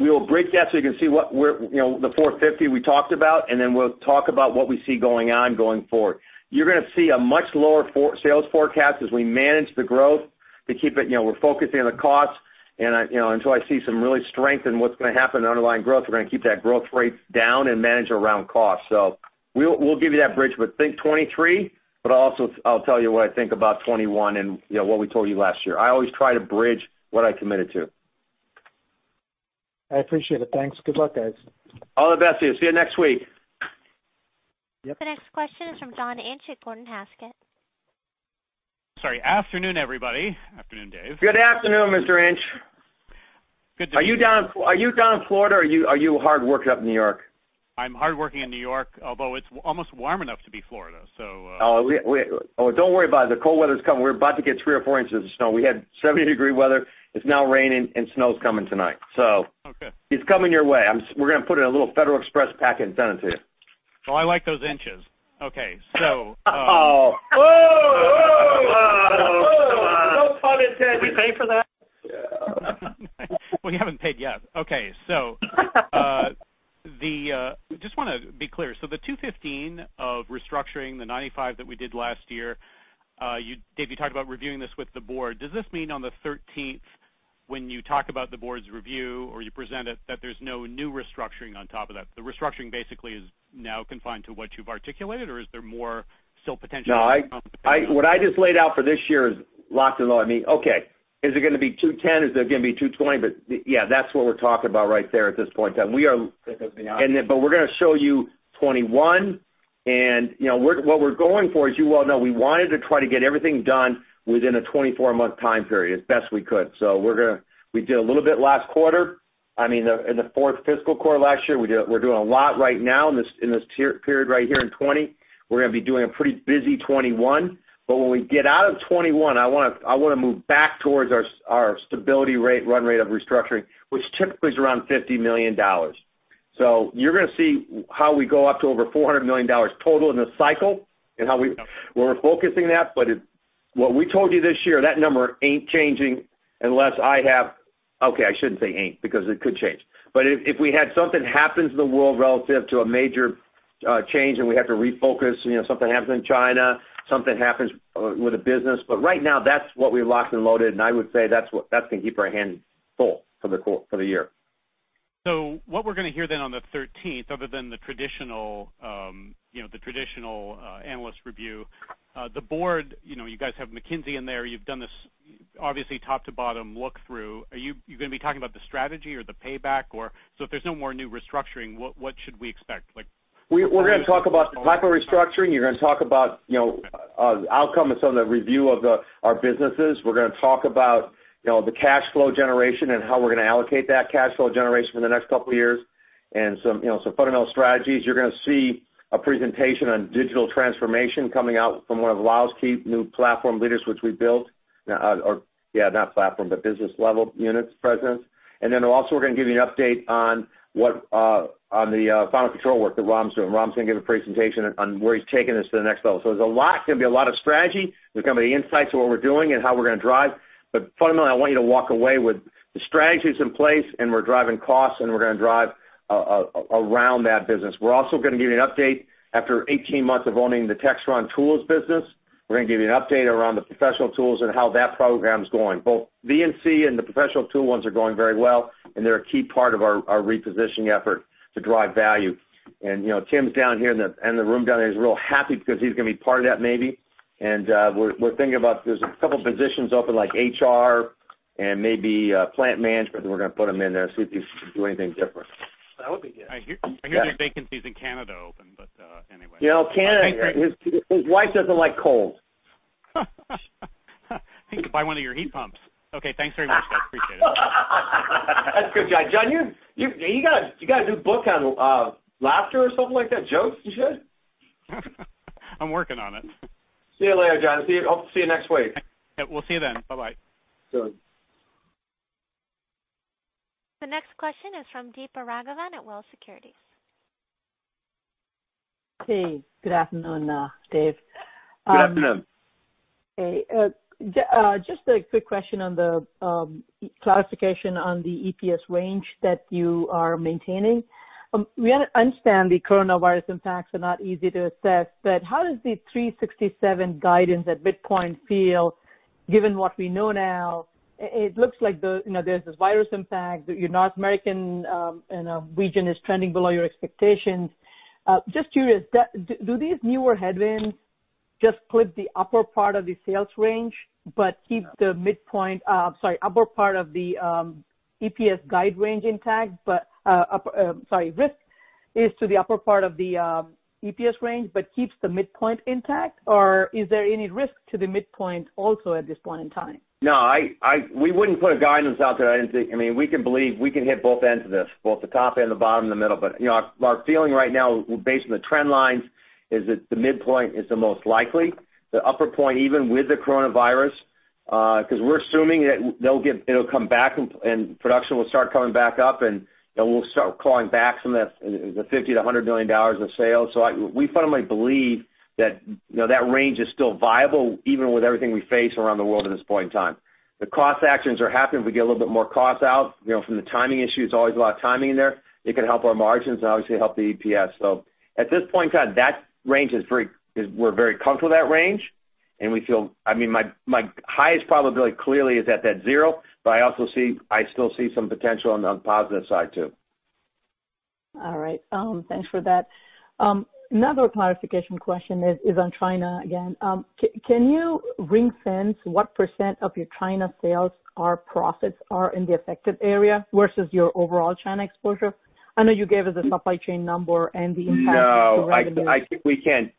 [SPEAKER 3] We'll break that so you can see what the $450 we talked about, and then we'll talk about what we see going on going forward. You're going to see a much lower sales forecast as we manage the growth to keep it. We're focusing on the costs, and until I see some real strength in what's going to happen in underlying growth, we're going to keep that growth rate down and manage around cost. We'll give you that bridge, but think 2023. Also, I'll tell you what I think about 2021 and what we told you last year. I always try to bridge what I committed to.
[SPEAKER 8] I appreciate it. Thanks. Good luck, guys.
[SPEAKER 3] All the best to you. See you next week.
[SPEAKER 8] Yep.
[SPEAKER 1] The next question is from John Inch at Gordon Haskett.
[SPEAKER 9] Sorry. Afternoon, everybody. Afternoon, Dave.
[SPEAKER 3] Good afternoon, Mr. Inch.
[SPEAKER 9] Good to-
[SPEAKER 3] Are you down in Florida, or are you a hard worker up in New York?
[SPEAKER 9] I'm hardworking in New York, although it's almost warm enough to be Florida.
[SPEAKER 3] Don't worry about it. The cold weather's coming. We're about to get three or four inches of snow. We had 70-degree weather. It's now raining and snow's coming tonight.
[SPEAKER 9] Okay.
[SPEAKER 3] It's coming your way. We're going to put it in a little Federal Express pack and send it to you.
[SPEAKER 9] Oh, I like those Inches. Okay.
[SPEAKER 3] Oh. Whoa. Whoa. Whoa. No pun intended.
[SPEAKER 9] Did we pay for that? Well, you haven't paid yet. Okay. Just want to be clear. The 215 of restructuring, the 95 that we did last year, Dave, you talked about reviewing this with the board. Does this mean on the 13th when you talk about the board's review or you present it, that there's no new restructuring on top of that? The restructuring basically is now confined to what you've articulated, or is there more still potential?
[SPEAKER 3] No. What I just laid out for this year is locked and loaded. Okay, is it going to be 210? Is it going to be 220? Yeah, that's what we're talking about right there at this point in time.
[SPEAKER 9] That's the beyond.
[SPEAKER 3] We're going to show you 2021, and what we're going for, as you well know, we wanted to try to get everything done within a 24-month time period as best we could. We did a little bit last quarter, in the fourth fiscal quarter last year. We're doing a lot right now in this period right here in 2020. We're going to be doing a pretty busy 2021. When we get out of 2021, I want to move back towards our stability rate, run rate of restructuring, which typically is around $50 million. You're going to see how we go up to over $400 million total in the cycle and how we're focusing that. What we told you this year, that number ain't changing. Okay, I shouldn't say ain't, because it could change. If we had something happens in the world relative to a major change and we have to refocus, something happens in China, something happens with the business. Right now that's what we've locked and loaded, and I would say that's going to keep our hands full for the year.
[SPEAKER 9] What we're going to hear then on the 13th, other than the traditional analyst review, the board, you guys have McKinsey in there. You've done this obviously top to bottom look through. Are you going to be talking about the strategy or the payback or if there's no more new restructuring, what should we expect?
[SPEAKER 3] We're going to talk about lack of restructuring. You're going to talk about outcome of some of the review of our businesses. We're going to talk about the cash flow generation and how we're going to allocate that cash flow generation for the next couple of years and some fundamental strategies. You're going to see a presentation on digital transformation coming out from one of Lal's key new platform leaders, which we built. Not platform, but business level units presidents. We're going to give you an update on the final control work that Ram's doing. Ram's going to give a presentation on where he's taking this to the next level. There's a lot, going to be a lot of strategy. There's going to be insights on what we're doing and how we're going to drive. Fundamentally, I want you to walk away with the strategies in place, and we're driving costs, and we're going to drive around that business. We're also going to give you an update after 18 months of owning the Textron tools business. We're going to give you an update around the professional tools and how that program is going. Both VNC and the professional tool ones are going very well, and they're a key part of our repositioning effort to drive value. Tim's down here in the room down there. He's real happy because he's going to be part of that maybe. We're thinking about, there's a couple positions open, like HR and maybe plant management, and we're going to put him in there, see if he can do anything different.
[SPEAKER 9] That would be good.
[SPEAKER 3] Yeah.
[SPEAKER 9] I hear there are vacancies in Canada open, but anyway.
[SPEAKER 3] You know, Canada, his wife doesn't like cold.
[SPEAKER 9] He could buy one of your heat pumps. Okay, thanks very much, guys. Appreciate it.
[SPEAKER 3] That's a good joke. John, you got a new book on laughter or something like that? Jokes, you said?
[SPEAKER 9] I'm working on it.
[SPEAKER 3] See you later, John. I'll see you next week.
[SPEAKER 9] We'll see you then. Bye-bye.
[SPEAKER 3] See you.
[SPEAKER 1] The next question is from Deepa Raghavan at Wells Securities.
[SPEAKER 10] Hey, good afternoon, Dave.
[SPEAKER 3] Good afternoon.
[SPEAKER 10] Okay. Just a quick question on the clarification on the EPS range that you are maintaining. We understand the coronavirus impacts are not easy to assess. How does the 367 guidance at midpoint feel given what we know now? It looks like there's this virus impact, your North American region is trending below your expectations. Just curious, do these newer headwinds just clip the upper part of the EPS range but keep the midpoint intact, or is there any risk to the midpoint also at this point in time?
[SPEAKER 3] No, we wouldn't put a guidance out there. We can believe we can hit both ends of this, both the top and the bottom and the middle. Our feeling right now based on the trend lines is that the midpoint is the most likely. The upper point, even with the coronavirus, because we're assuming that it'll come back and production will start coming back up, and we'll start calling back some of the $50 million-$100 million of sales. We fundamentally believe that range is still viable, even with everything we face around the world at this point in time. The cost actions are happening. We get a little bit more cost out from the timing issue. There's always a lot of timing in there. It can help our margins and obviously help the EPS. At this point in time, we're very comfortable with that range, and My highest probability clearly is at that zero, but I still see some potential on the positive side, too.
[SPEAKER 10] All right. Thanks for that. Another clarification question is on China again. Can you ring-fence what percentage of your China sales are profits are in the affected area versus your overall China exposure? I know you gave us a supply chain number and the impact to revenue.
[SPEAKER 3] No, I think we can't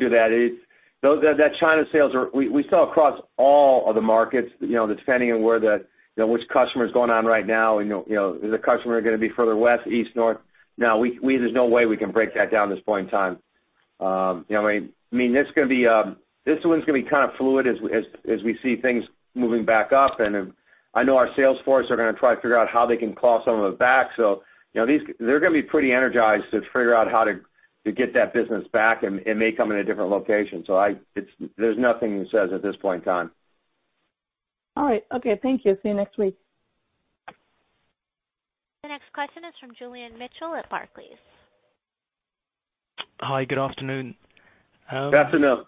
[SPEAKER 3] do that. That China sales are. We sell across all of the markets depending on which customer is going on right now. Is the customer going to be further west, east, north? No, there's no way we can break that down at this point in time. This one's going to be kind of fluid as we see things moving back up. I know our sales force are going to try to figure out how they can claw some of it back. They're going to be pretty energized to figure out how to get that business back, and it may come in a different location. There's nothing that says at this point in time.
[SPEAKER 10] All right. Okay, thank you. See you next week.
[SPEAKER 1] The next question is from Julian Mitchell at Barclays.
[SPEAKER 11] Hi, good afternoon.
[SPEAKER 3] Good afternoon.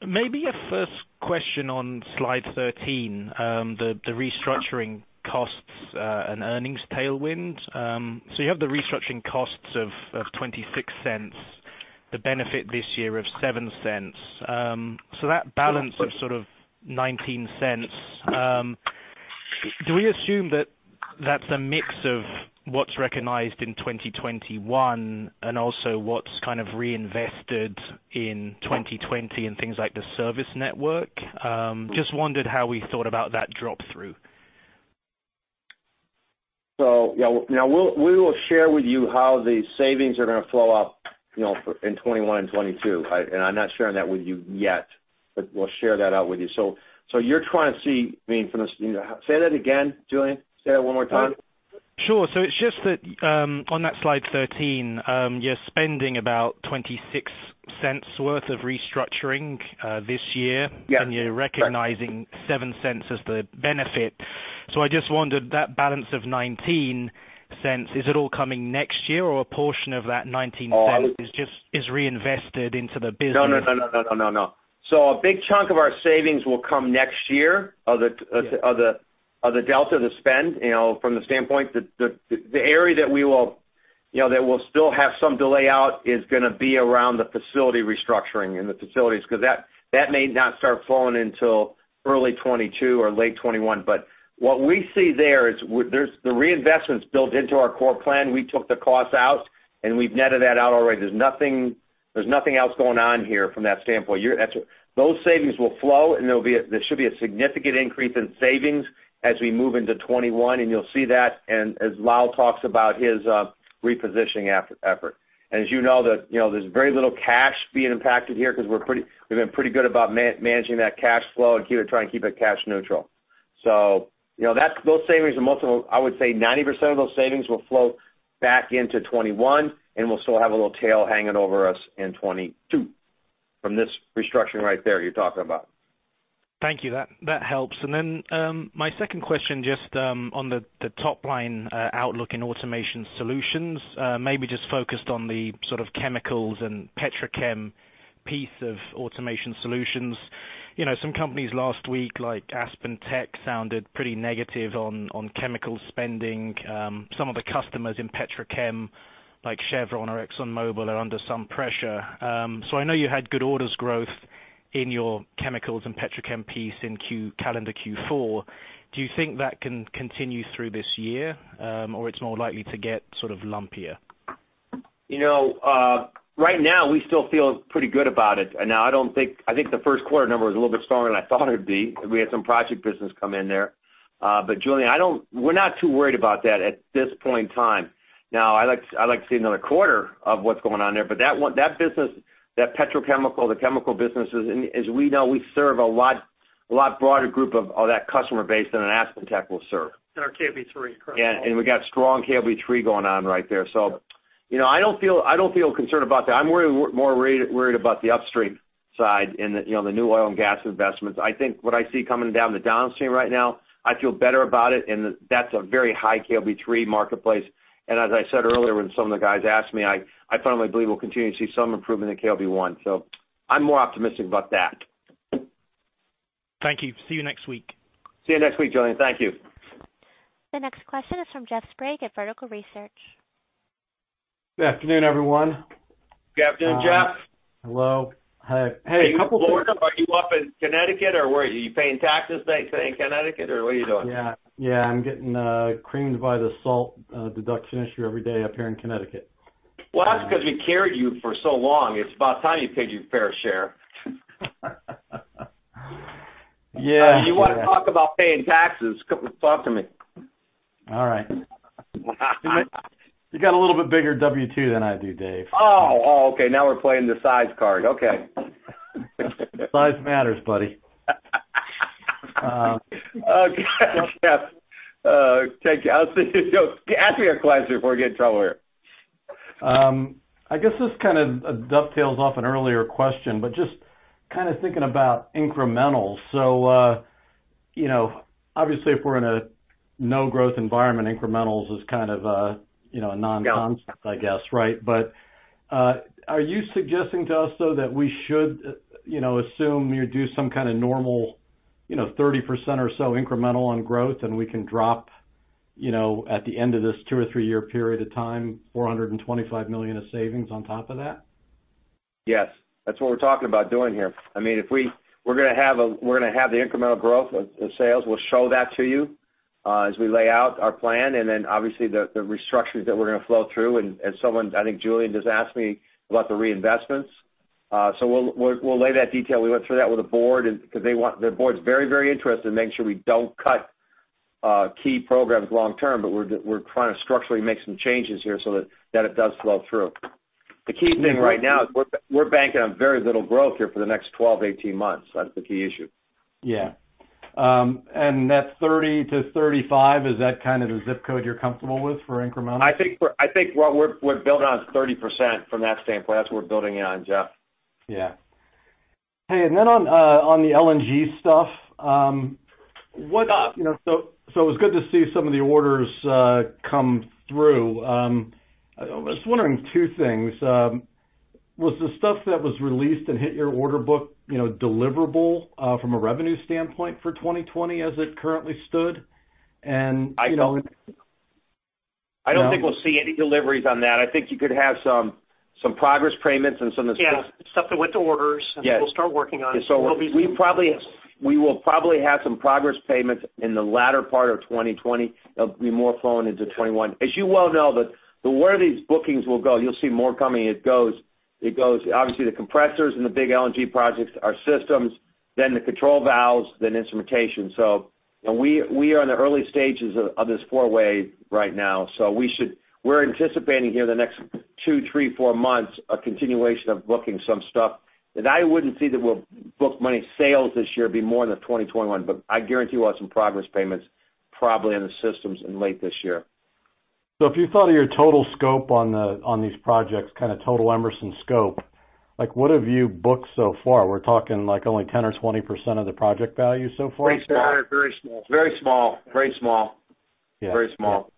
[SPEAKER 11] A first question on slide 13, the restructuring costs and earnings tailwind. You have the restructuring costs of $0.26, the benefit this year of $0.07. That balance of sort of $0.19, do we assume that that's a mix of what's recognized in 2021 and also what's kind of reinvested in 2020 in things like the service network? Just wondered how we thought about that drop-through.
[SPEAKER 3] We will share with you how the savings are going to flow up in 2021 and 2022. I'm not sharing that with you yet, but we'll share that out with you. Say that again, Julian. Say that one more time.
[SPEAKER 11] Sure. It's just that on that slide 13, you're spending about $0.26 worth of restructuring this year.
[SPEAKER 3] Yeah.
[SPEAKER 11] You're recognizing $0.07 as the benefit. I just wondered that balance of $0.19, is it all coming next year or a portion of that $0.19 is reinvested into the business?
[SPEAKER 3] No. A big chunk of our savings will come next year.
[SPEAKER 11] Yeah
[SPEAKER 3] of the delta, the spend, from the standpoint, the area that we'll still have some delay out is going to be around the facility restructuring and the facilities, because that may not start flowing until early 2022 or late 2021. What we see there is the reinvestment's built into our core plan. We took the cost out and we've netted that out already. There's nothing else going on here from that standpoint. Those savings will flow, and there should be a significant increase in savings as we move into 2021, and you'll see that. As Lal talks about his repositioning effort. As you know, there's very little cash being impacted here because we've been pretty good about managing that cash flow and trying to keep it cash neutral. Those savings are multiple. I would say 90% of those savings will flow back into 2021, and we'll still have a little tail hanging over us in 2022 from this restructuring right there you're talking about.
[SPEAKER 11] Thank you. That helps. My second question, just on the top line outlook in Automation Solutions, maybe just focused on the sort of chemicals and petrochem piece of Automation Solutions. Some companies last week, like AspenTech, sounded pretty negative on chemical spending. Some of the customers in petrochem, like Chevron or ExxonMobil, are under some pressure. I know you had good orders growth in your chemicals and petrochem piece in calendar Q4. Do you think that can continue through this year? Or it's more likely to get sort of lumpier?
[SPEAKER 3] Right now, we still feel pretty good about it. I think the first quarter number was a little bit stronger than I thought it'd be. We had some project business come in there. Julian, we're not too worried about that at this point in time. Now, I like to see another quarter of what's going on there. That business, that petrochemical, the chemical businesses, as we know, we serve a lot broader group of that customer base than an AspenTech will serve.
[SPEAKER 4] Our KOB 3.
[SPEAKER 3] Yeah. We got strong KOB 3 going on right there. I don't feel concerned about that. I'm more worried about the upstream side and the new oil and gas investments. I think what I see coming down the downstream right now, I feel better about it, and that's a very high KOB 3 marketplace. As I said earlier, when some of the guys asked me, I firmly believe we'll continue to see some improvement in KOB 1. I'm more optimistic about that.
[SPEAKER 11] Thank you. See you next week.
[SPEAKER 3] See you next week, Julian. Thank you.
[SPEAKER 1] The next question is from Jeff Sprague at Vertical Research.
[SPEAKER 12] Good afternoon, everyone.
[SPEAKER 3] Good afternoon, Jeff.
[SPEAKER 12] Hello. Hi.
[SPEAKER 3] Hey, are you in Florida? Are you up in Connecticut? Where are you? Are you paying taxes staying Connecticut, what are you doing?
[SPEAKER 12] I'm getting creamed by the SALT deduction issue every day up here in Connecticut.
[SPEAKER 3] That's because we carried you for so long. It's about time you paid your fair share.
[SPEAKER 12] Yeah.
[SPEAKER 3] You want to talk about paying taxes, come talk to me.
[SPEAKER 12] All right. You got a little bit bigger W2 than I do, Dave.
[SPEAKER 3] Oh, okay. Now we're playing the size card. Okay.
[SPEAKER 12] Size matters, buddy.
[SPEAKER 3] Okay. Jeff, take it out. Ask me a question before I get in trouble here.
[SPEAKER 12] I guess this kind of dovetails off an earlier question, but just kind of thinking about incrementals. Obviously, if we're in a no growth environment, incrementals is kind of a non-concept, I guess, right? Are you suggesting to us, though, that we should assume you do some kind of normal 30% or so incremental on growth, and we can drop at the end of this two or three-year period of time, $425 million of savings on top of that?
[SPEAKER 3] Yes. That's what we're talking about doing here. We're going to have the incremental growth of sales. We'll show that to you as we lay out our plan, and then obviously the restructures that we're going to flow through. Someone, I think Julian just asked me about the reinvestments. We'll lay that detail. We went through that with the board because the board's very interested in making sure we don't cut key programs long term, but we're trying to structurally make some changes here so that it does flow through. The key thing right now is we're banking on very little growth here for the next 12, 18 months. That's the key issue.
[SPEAKER 12] Yeah. That 30-35, is that kind of the ZIP code you're comfortable with for incremental?
[SPEAKER 3] I think what we're building on is 30% from that standpoint. That's what we're building on, Jeff.
[SPEAKER 12] Yeah. Hey, then on the LNG stuff. It was good to see some of the orders come through. I was wondering two things. Was the stuff that was released and hit your order book deliverable from a revenue standpoint for 2020 as it currently stood?
[SPEAKER 3] I don't think we'll see any deliveries on that. I think you could have some progress payments and some of the stuff.
[SPEAKER 12] Yeah. Stuff that went to orders.
[SPEAKER 3] Yes
[SPEAKER 12] we'll start working on.
[SPEAKER 3] We will probably have some progress payments in the latter part of 2020. They'll be more flowing into 2021. As you well know, the way these bookings will go, you'll see more coming. It goes, obviously, the compressors in the big LNG projects are systems, then the control valves, then instrumentation. We are in the early stages of this four-way right now. We're anticipating here in the next two, three, four months a continuation of booking some stuff. I wouldn't see that we'll book many sales this year be more than 2021. I guarantee you we'll have some progress payments probably on the systems in late this year.
[SPEAKER 12] If you thought of your total scope on these projects, kind of total Emerson scope, what have you booked so far? We're talking only 10 or 20% of the project value so far?
[SPEAKER 7] Very small.
[SPEAKER 3] Very small.
[SPEAKER 7] Yeah.
[SPEAKER 3] Very small.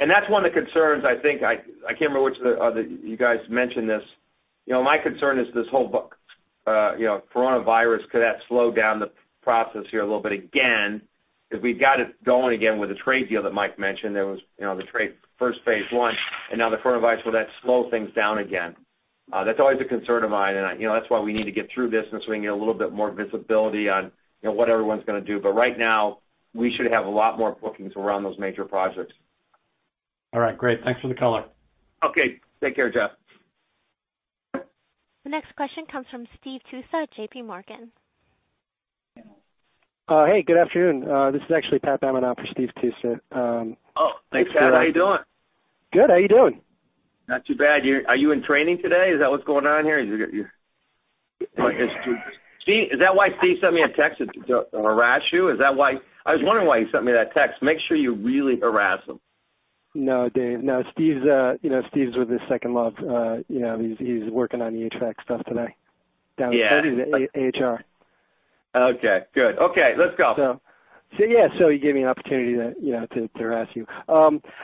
[SPEAKER 3] That's one of the concerns, I think. I can't remember which of you guys mentioned this. My concern is this whole coronavirus, could that slow down the process here a little bit again? We've got it going again with the trade deal that Mike mentioned. There was the trade first Phase One, now the coronavirus. Will that slow things down again? That's always a concern of mine. That's why we need to get through this, we can get a little bit more visibility on what everyone's going to do. Right now, we should have a lot more bookings around those major projects.
[SPEAKER 12] All right. Great. Thanks for the color.
[SPEAKER 3] Okay. Take care, Jeff.
[SPEAKER 1] The next question comes from Steve Tusa, J.P. Morgan.
[SPEAKER 13] Hey, good afternoon. This is actually Pat Bammann on for Steve Tusa.
[SPEAKER 3] Oh, hey, Pat. How you doing?
[SPEAKER 13] Good. How you doing?
[SPEAKER 3] Not too bad. Are you in training today? Is that what's going on here? Is that why Steve sent me a text, to harass you? Is that why? I was wondering why he sent me that text. Make sure you really harass him.
[SPEAKER 13] No, Dave. No, Steve's with his second love. He's working on the HVAC stuff today.
[SPEAKER 3] Yeah.
[SPEAKER 13] Down in AHR.
[SPEAKER 3] Okay, good. Okay, let's go.
[SPEAKER 13] Yeah. He gave me an opportunity to harass you.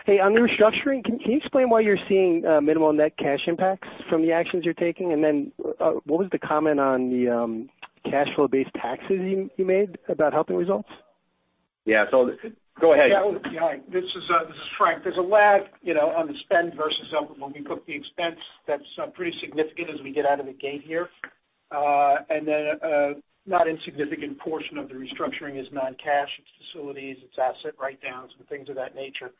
[SPEAKER 13] Hey, on the restructuring, can you explain why you're seeing minimal net cash impacts from the actions you're taking? What was the comment on the cashflow-based taxes you made about helping results?
[SPEAKER 3] Yeah. Go ahead.
[SPEAKER 7] Yeah. This is Frank. There's a lag on the spend versus when we book the expense that's pretty significant as we get out of the gate here. A not insignificant portion of the restructuring is non-cash. It's facilities, it's asset write-downs, and things of that nature.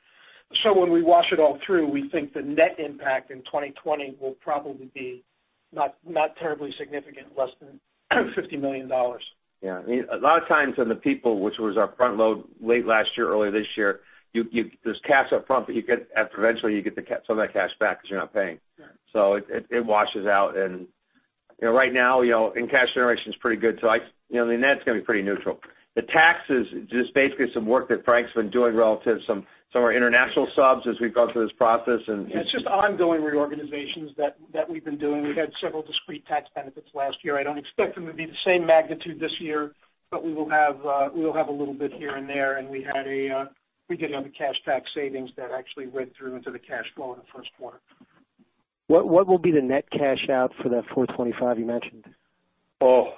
[SPEAKER 7] When we wash it all through, we think the net impact in 2020 will probably be not terribly significant, less than $50 million.
[SPEAKER 3] Yeah. A lot of times in the people, which was our front-load late last year, earlier this year, there's cash up front, but eventually you get some of that cash back because you're not paying.
[SPEAKER 7] Sure.
[SPEAKER 3] It washes out, and right now, in cash generation's pretty good. The net's going to be pretty neutral. The tax is just basically some work that Frank's been doing relative to some of our international subs as we go through this process.
[SPEAKER 7] It's just ongoing reorganizations that we've been doing. We've had several discrete tax benefits last year. I don't expect them to be the same magnitude this year, but we will have a little bit here and there, and we did have a cash tax savings that actually went through into the cash flow in the first quarter.
[SPEAKER 13] What will be the net cash out for that $425 you mentioned?
[SPEAKER 3] Oh,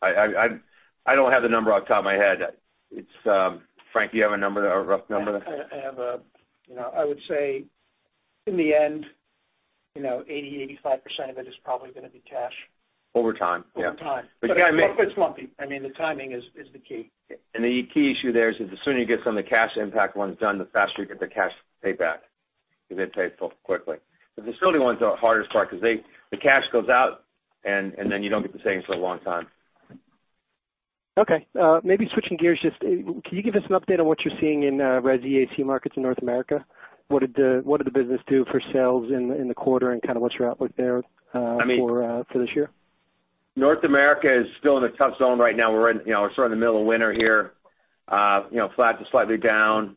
[SPEAKER 3] I don't have the number off the top of my head. Frank, do you have a rough number?
[SPEAKER 7] I would say in the end, 80, 85% of it is probably going to be cash.
[SPEAKER 3] Over time. Yeah.
[SPEAKER 7] Over time.
[SPEAKER 3] But again, I-
[SPEAKER 7] It's lumpy. I mean, the timing is the key.
[SPEAKER 3] The key issue there is that the sooner you get some of the cash impact when it's done, the faster you get the cash payback. They pay it quickly. The facility ones are the hardest part because the cash goes out, and then you don't get the savings for a long time.
[SPEAKER 13] Okay. Maybe switching gears, just can you give us an update on what you're seeing in res AC markets in North America? What did the business do for sales in the quarter, and kind of what's your outlook there for this year?
[SPEAKER 3] North America is still in a tough zone right now. We're sort of in the middle of winter here. Flat to slightly down.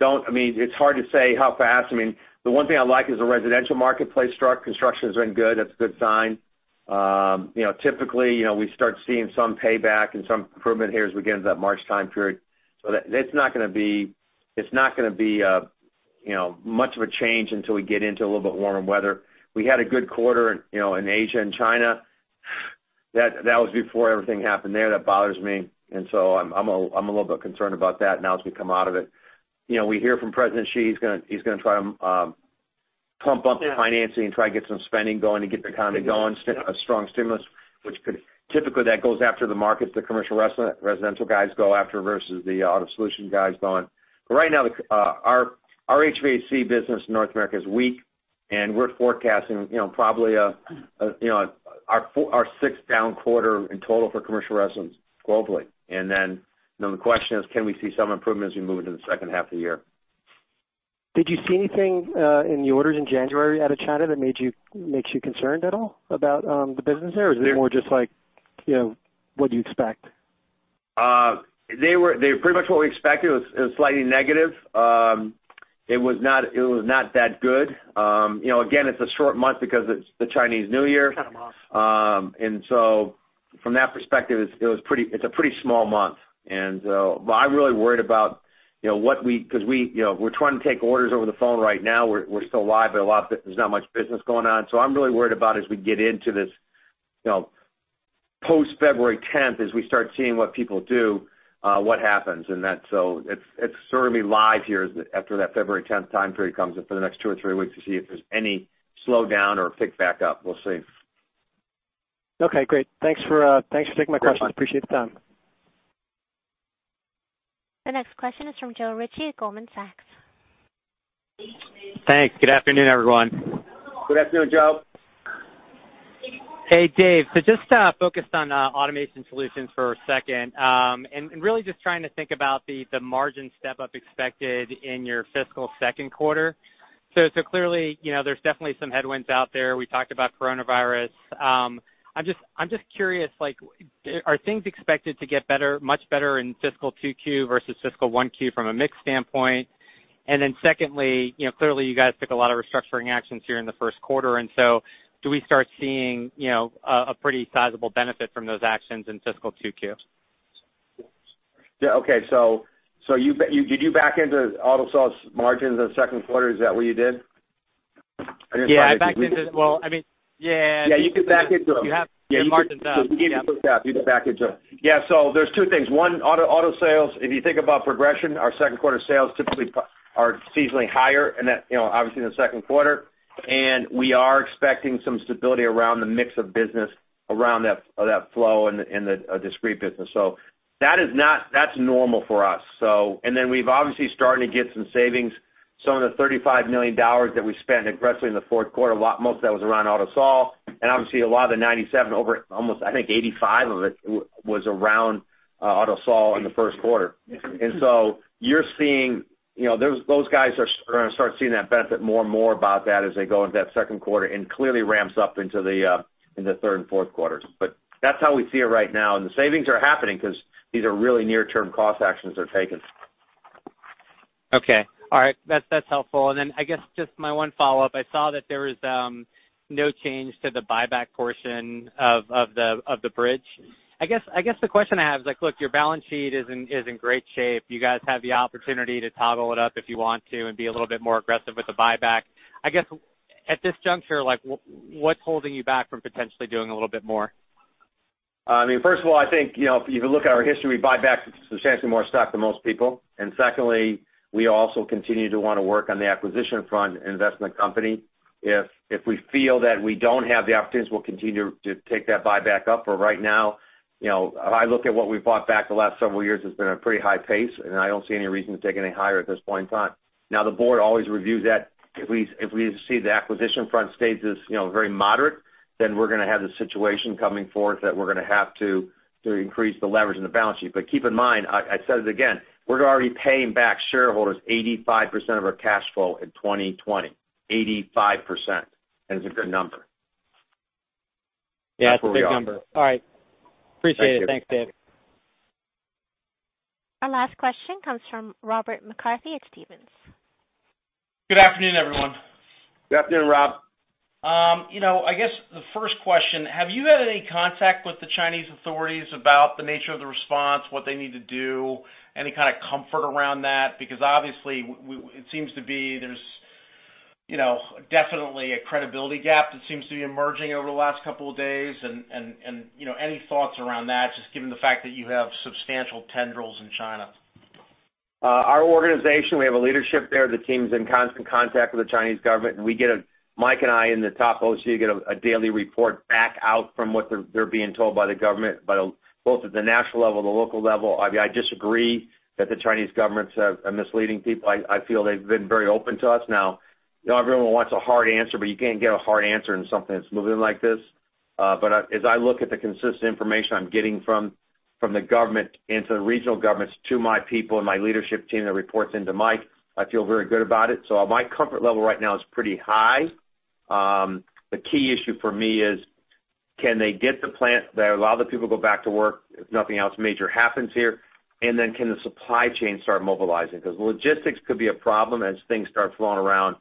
[SPEAKER 3] It's hard to say how fast. The one thing I like is the residential marketplace construction has been good. That's a good sign. Typically, we start seeing some payback and some improvement here as we get into that March time period. It's not going to be much of a change until we get into a little bit warmer weather. We had a good quarter in Asia and China. That was before everything happened there. That bothers me. I'm a little bit concerned about that now as we come out of it. We hear from Xi. He's going to try to pump up the financing and try to get some spending going to get the economy going. Typically, that goes after the markets the Commercial & Residential Solutions guys go after versus the Automation Solutions guys going. Right now, our HVAC business in North America is weak, and we're forecasting probably our sixth down quarter in total for Commercial & Residential Solutions globally. The question is, can we see some improvement as we move into the second half of the year?
[SPEAKER 13] Did you see anything in the orders in January out of China that makes you concerned at all about the business there? Is it more just like what you expect?
[SPEAKER 3] They were pretty much what we expected. It was slightly negative. It was not that good. Again, it's a short month because it's the Chinese New Year.
[SPEAKER 13] Kind of off.
[SPEAKER 3] From that perspective, it's a pretty small month. I'm really worried about because we're trying to take orders over the phone right now. We're still live, but there's not much business going on. I'm really worried about as we get into this post-February 10th, as we start seeing what people do, what happens. That, it's sort of live here after that February 10th time period comes up for the next two or three weeks to see if there's any slowdown or pick back up. We'll see.
[SPEAKER 13] Okay, great. Thanks for taking my question.
[SPEAKER 3] No problem.
[SPEAKER 13] Appreciate the time.
[SPEAKER 1] The next question is from Joe Ritchie at Goldman Sachs.
[SPEAKER 14] Thanks. Good afternoon, everyone.
[SPEAKER 3] Good afternoon, Joe.
[SPEAKER 14] Hey, Dave. Just focused on Automation Solutions for a second. Really just trying to think about the margin step-up expected in your fiscal second quarter. Clearly, there's definitely some headwinds out there. We talked about coronavirus. I'm just curious, are things expected to get much better in fiscal 2Q versus fiscal 1Q from a mix standpoint? Secondly, clearly, you guys took a lot of restructuring actions here in the first quarter. Do we start seeing a pretty sizable benefit from those actions in fiscal 2Q?
[SPEAKER 3] Yeah. Okay, did you back into auto sales margins in the second quarter? Is that what you did?
[SPEAKER 14] Yeah.
[SPEAKER 3] You can back into them.
[SPEAKER 14] You have your margins up.
[SPEAKER 3] You can do a quick CapEx. You can back into it. There's two things. One, Automation Solutions, if you think about progression, our second quarter sales typically are seasonally higher, obviously in the second quarter. We are expecting some stability around the mix of business around that flow in the discrete business. That's normal for us. We've obviously starting to get some savings. Some of the $35 million that we spent aggressively in the fourth quarter, most of that was around Automation Solutions. Obviously a lot of the $97, over almost, I think $85 of it was around Automation Solutions in the first quarter. Those guys are going to start seeing that benefit more and more about that as they go into that second quarter and clearly ramps up into the third and fourth quarters. That's how we see it right now. The savings are happening because these are really near-term cost actions they're taking.
[SPEAKER 14] Okay. All right. That's helpful. Then I guess just my one follow-up, I saw that there was no change to the buyback portion of the bridge. I guess the question I have is, look, your balance sheet is in great shape. You guys have the opportunity to toggle it up if you want to and be a little bit more aggressive with the buyback. I guess at this juncture, what's holding you back from potentially doing a little bit more?
[SPEAKER 3] First of all, I think if you look at our history, we buy back substantially more stock than most people. Secondly, we also continue to want to work on the acquisition front and investment capacity. If we feel that we don't have the opportunities, we'll continue to take that buyback up. For right now, if I look at what we've bought back the last several years, it's been a pretty high pace, and I don't see any reason to take it any higher at this point in time. The Board always reviews that. If we see the acquisition front stays as very moderate, then we're going to have the situation coming forth that we're going to have to increase the leverage in the balance sheet. Keep in mind, I said it again, we're already paying back shareholders 85% of our cash flow in 2020, 85%. That is a good number.
[SPEAKER 14] That's a big number. All right. Appreciate it.
[SPEAKER 3] Thank you.
[SPEAKER 14] Thanks, David.
[SPEAKER 1] Our last question comes from Robert McCarthy at Stephens.
[SPEAKER 15] Good afternoon, everyone.
[SPEAKER 3] Good afternoon, Rob.
[SPEAKER 15] I guess the first question, have you had any contact with the Chinese authorities about the nature of the response, what they need to do, any kind of comfort around that? Obviously it seems to be there's definitely a credibility gap that seems to be emerging over the last couple of days, and any thoughts around that, just given the fact that you have substantial tendrils in China?
[SPEAKER 3] Our organization, we have a leadership there. The team's in constant contact with the Chinese Government, and Mike and I in the top OCE get a daily report back out from what they're being told by the Government, both at the national level and the local level. I disagree that the Chinese Governments are misleading people. I feel they've been very open to us. Now, everyone wants a hard answer, but you can't get a hard answer in something that's moving like this. As I look at the consistent information I'm getting from the Government and from the regional governments to my people and my leadership team that reports into Mike, I feel very good about it. My comfort level right now is pretty high. The key issue for me is can they get the plant there, allow the people to go back to work if nothing else major happens here, and then can the supply chain start mobilizing? Logistics could be a problem as things start flowing around.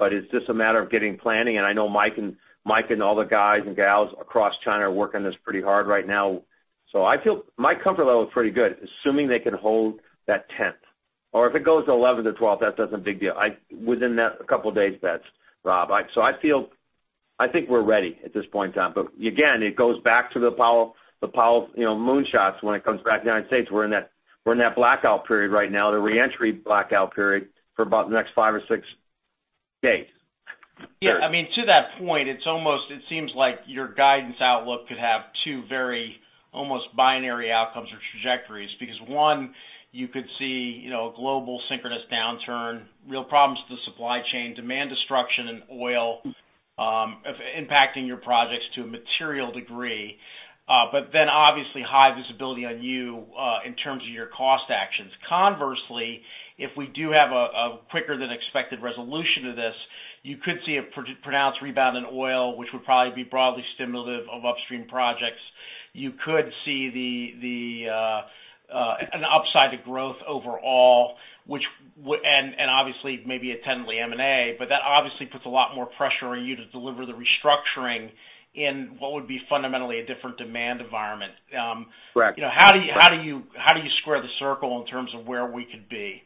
[SPEAKER 3] It's just a matter of getting planning, and I know Mike and all the guys and gals across China are working on this pretty hard right now. My comfort level is pretty good, assuming they can hold that 10th. If it goes to the 11th or 12th, that's not a big deal. Within that couple of days, that's Rob. I think we're ready at this point in time. Again, it goes back to the Apollo moonshots when it comes back to the United States. We're in that blackout period right now, the re-entry blackout period for about the next five or six days.
[SPEAKER 15] Yeah. To that point, it seems like your guidance outlook could have two very almost binary outcomes or trajectories. One, you could see a global synchronous downturn, real problems with the supply chain, demand destruction in oil impacting your projects to a material degree. Obviously high visibility on you in terms of your cost actions. Conversely, if we do have a quicker than expected resolution to this, you could see a pronounced rebound in oil, which would probably be broadly stimulative of upstream projects. You could see an upside to growth overall, and obviously maybe a tendency M&A. That obviously puts a lot more pressure on you to deliver the restructuring in what would be fundamentally a different demand environment.
[SPEAKER 3] Correct.
[SPEAKER 15] How do you square the circle in terms of where we could be?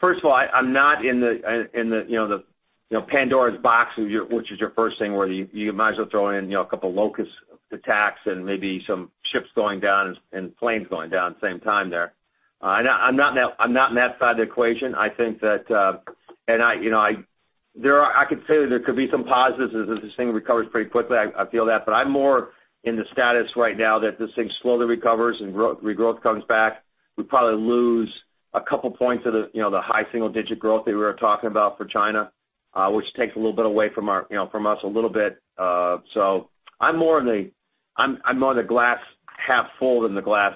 [SPEAKER 3] First of all, I'm not in the Pandora's box, which is your first thing, where you might as well throw in a couple locust attacks and maybe some ships going down and planes going down at the same time there. I'm not in that side of the equation. I could say there could be some positives as this thing recovers pretty quickly. I feel that. I'm more in the status right now that this thing slowly recovers and regrowth comes back. We probably lose a couple points of the high single-digit growth that we were talking about for China, which takes a little bit away from us a little bit. I'm more in the glass half full than the glass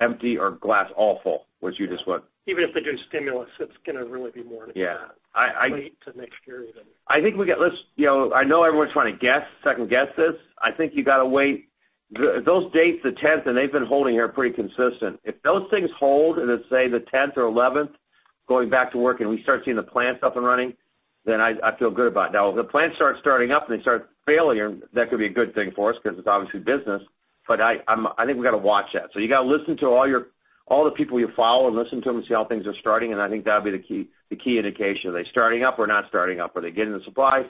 [SPEAKER 3] empty or glass all full, which you just would.
[SPEAKER 15] Even if they do stimulus, it's going to really be more.
[SPEAKER 3] Yeah
[SPEAKER 15] late to next year even.
[SPEAKER 3] I know everyone's trying to second guess this. I think you got to wait. Those dates, the 10th, they've been holding here pretty consistent. If those things hold, and it's, say, the 10th or 11th going back to work and we start seeing the plants up and running, I feel good about it. Now, if the plants start starting up and they start failing, that could be a good thing for us because it's obviously business. I think we got to watch that. You got to listen to all the people you follow and listen to them and see how things are starting, and I think that'll be the key indication. Are they starting up or not starting up? Are they getting the supply?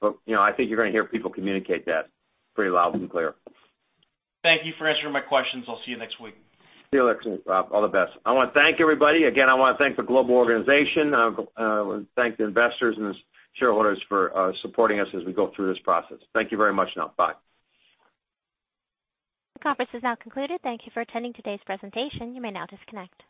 [SPEAKER 3] I think you're going to hear people communicate that pretty loud and clear.
[SPEAKER 15] Thank you for answering my questions. I'll see you next week.
[SPEAKER 3] See you next week, Rob. All the best. I want to thank everybody. Again, I want to thank the global organization. I want to thank the investors and the shareholders for supporting us as we go through this process. Thank you very much. Now bye.
[SPEAKER 1] The conference is now concluded. Thank you for attending today's presentation. You may now disconnect.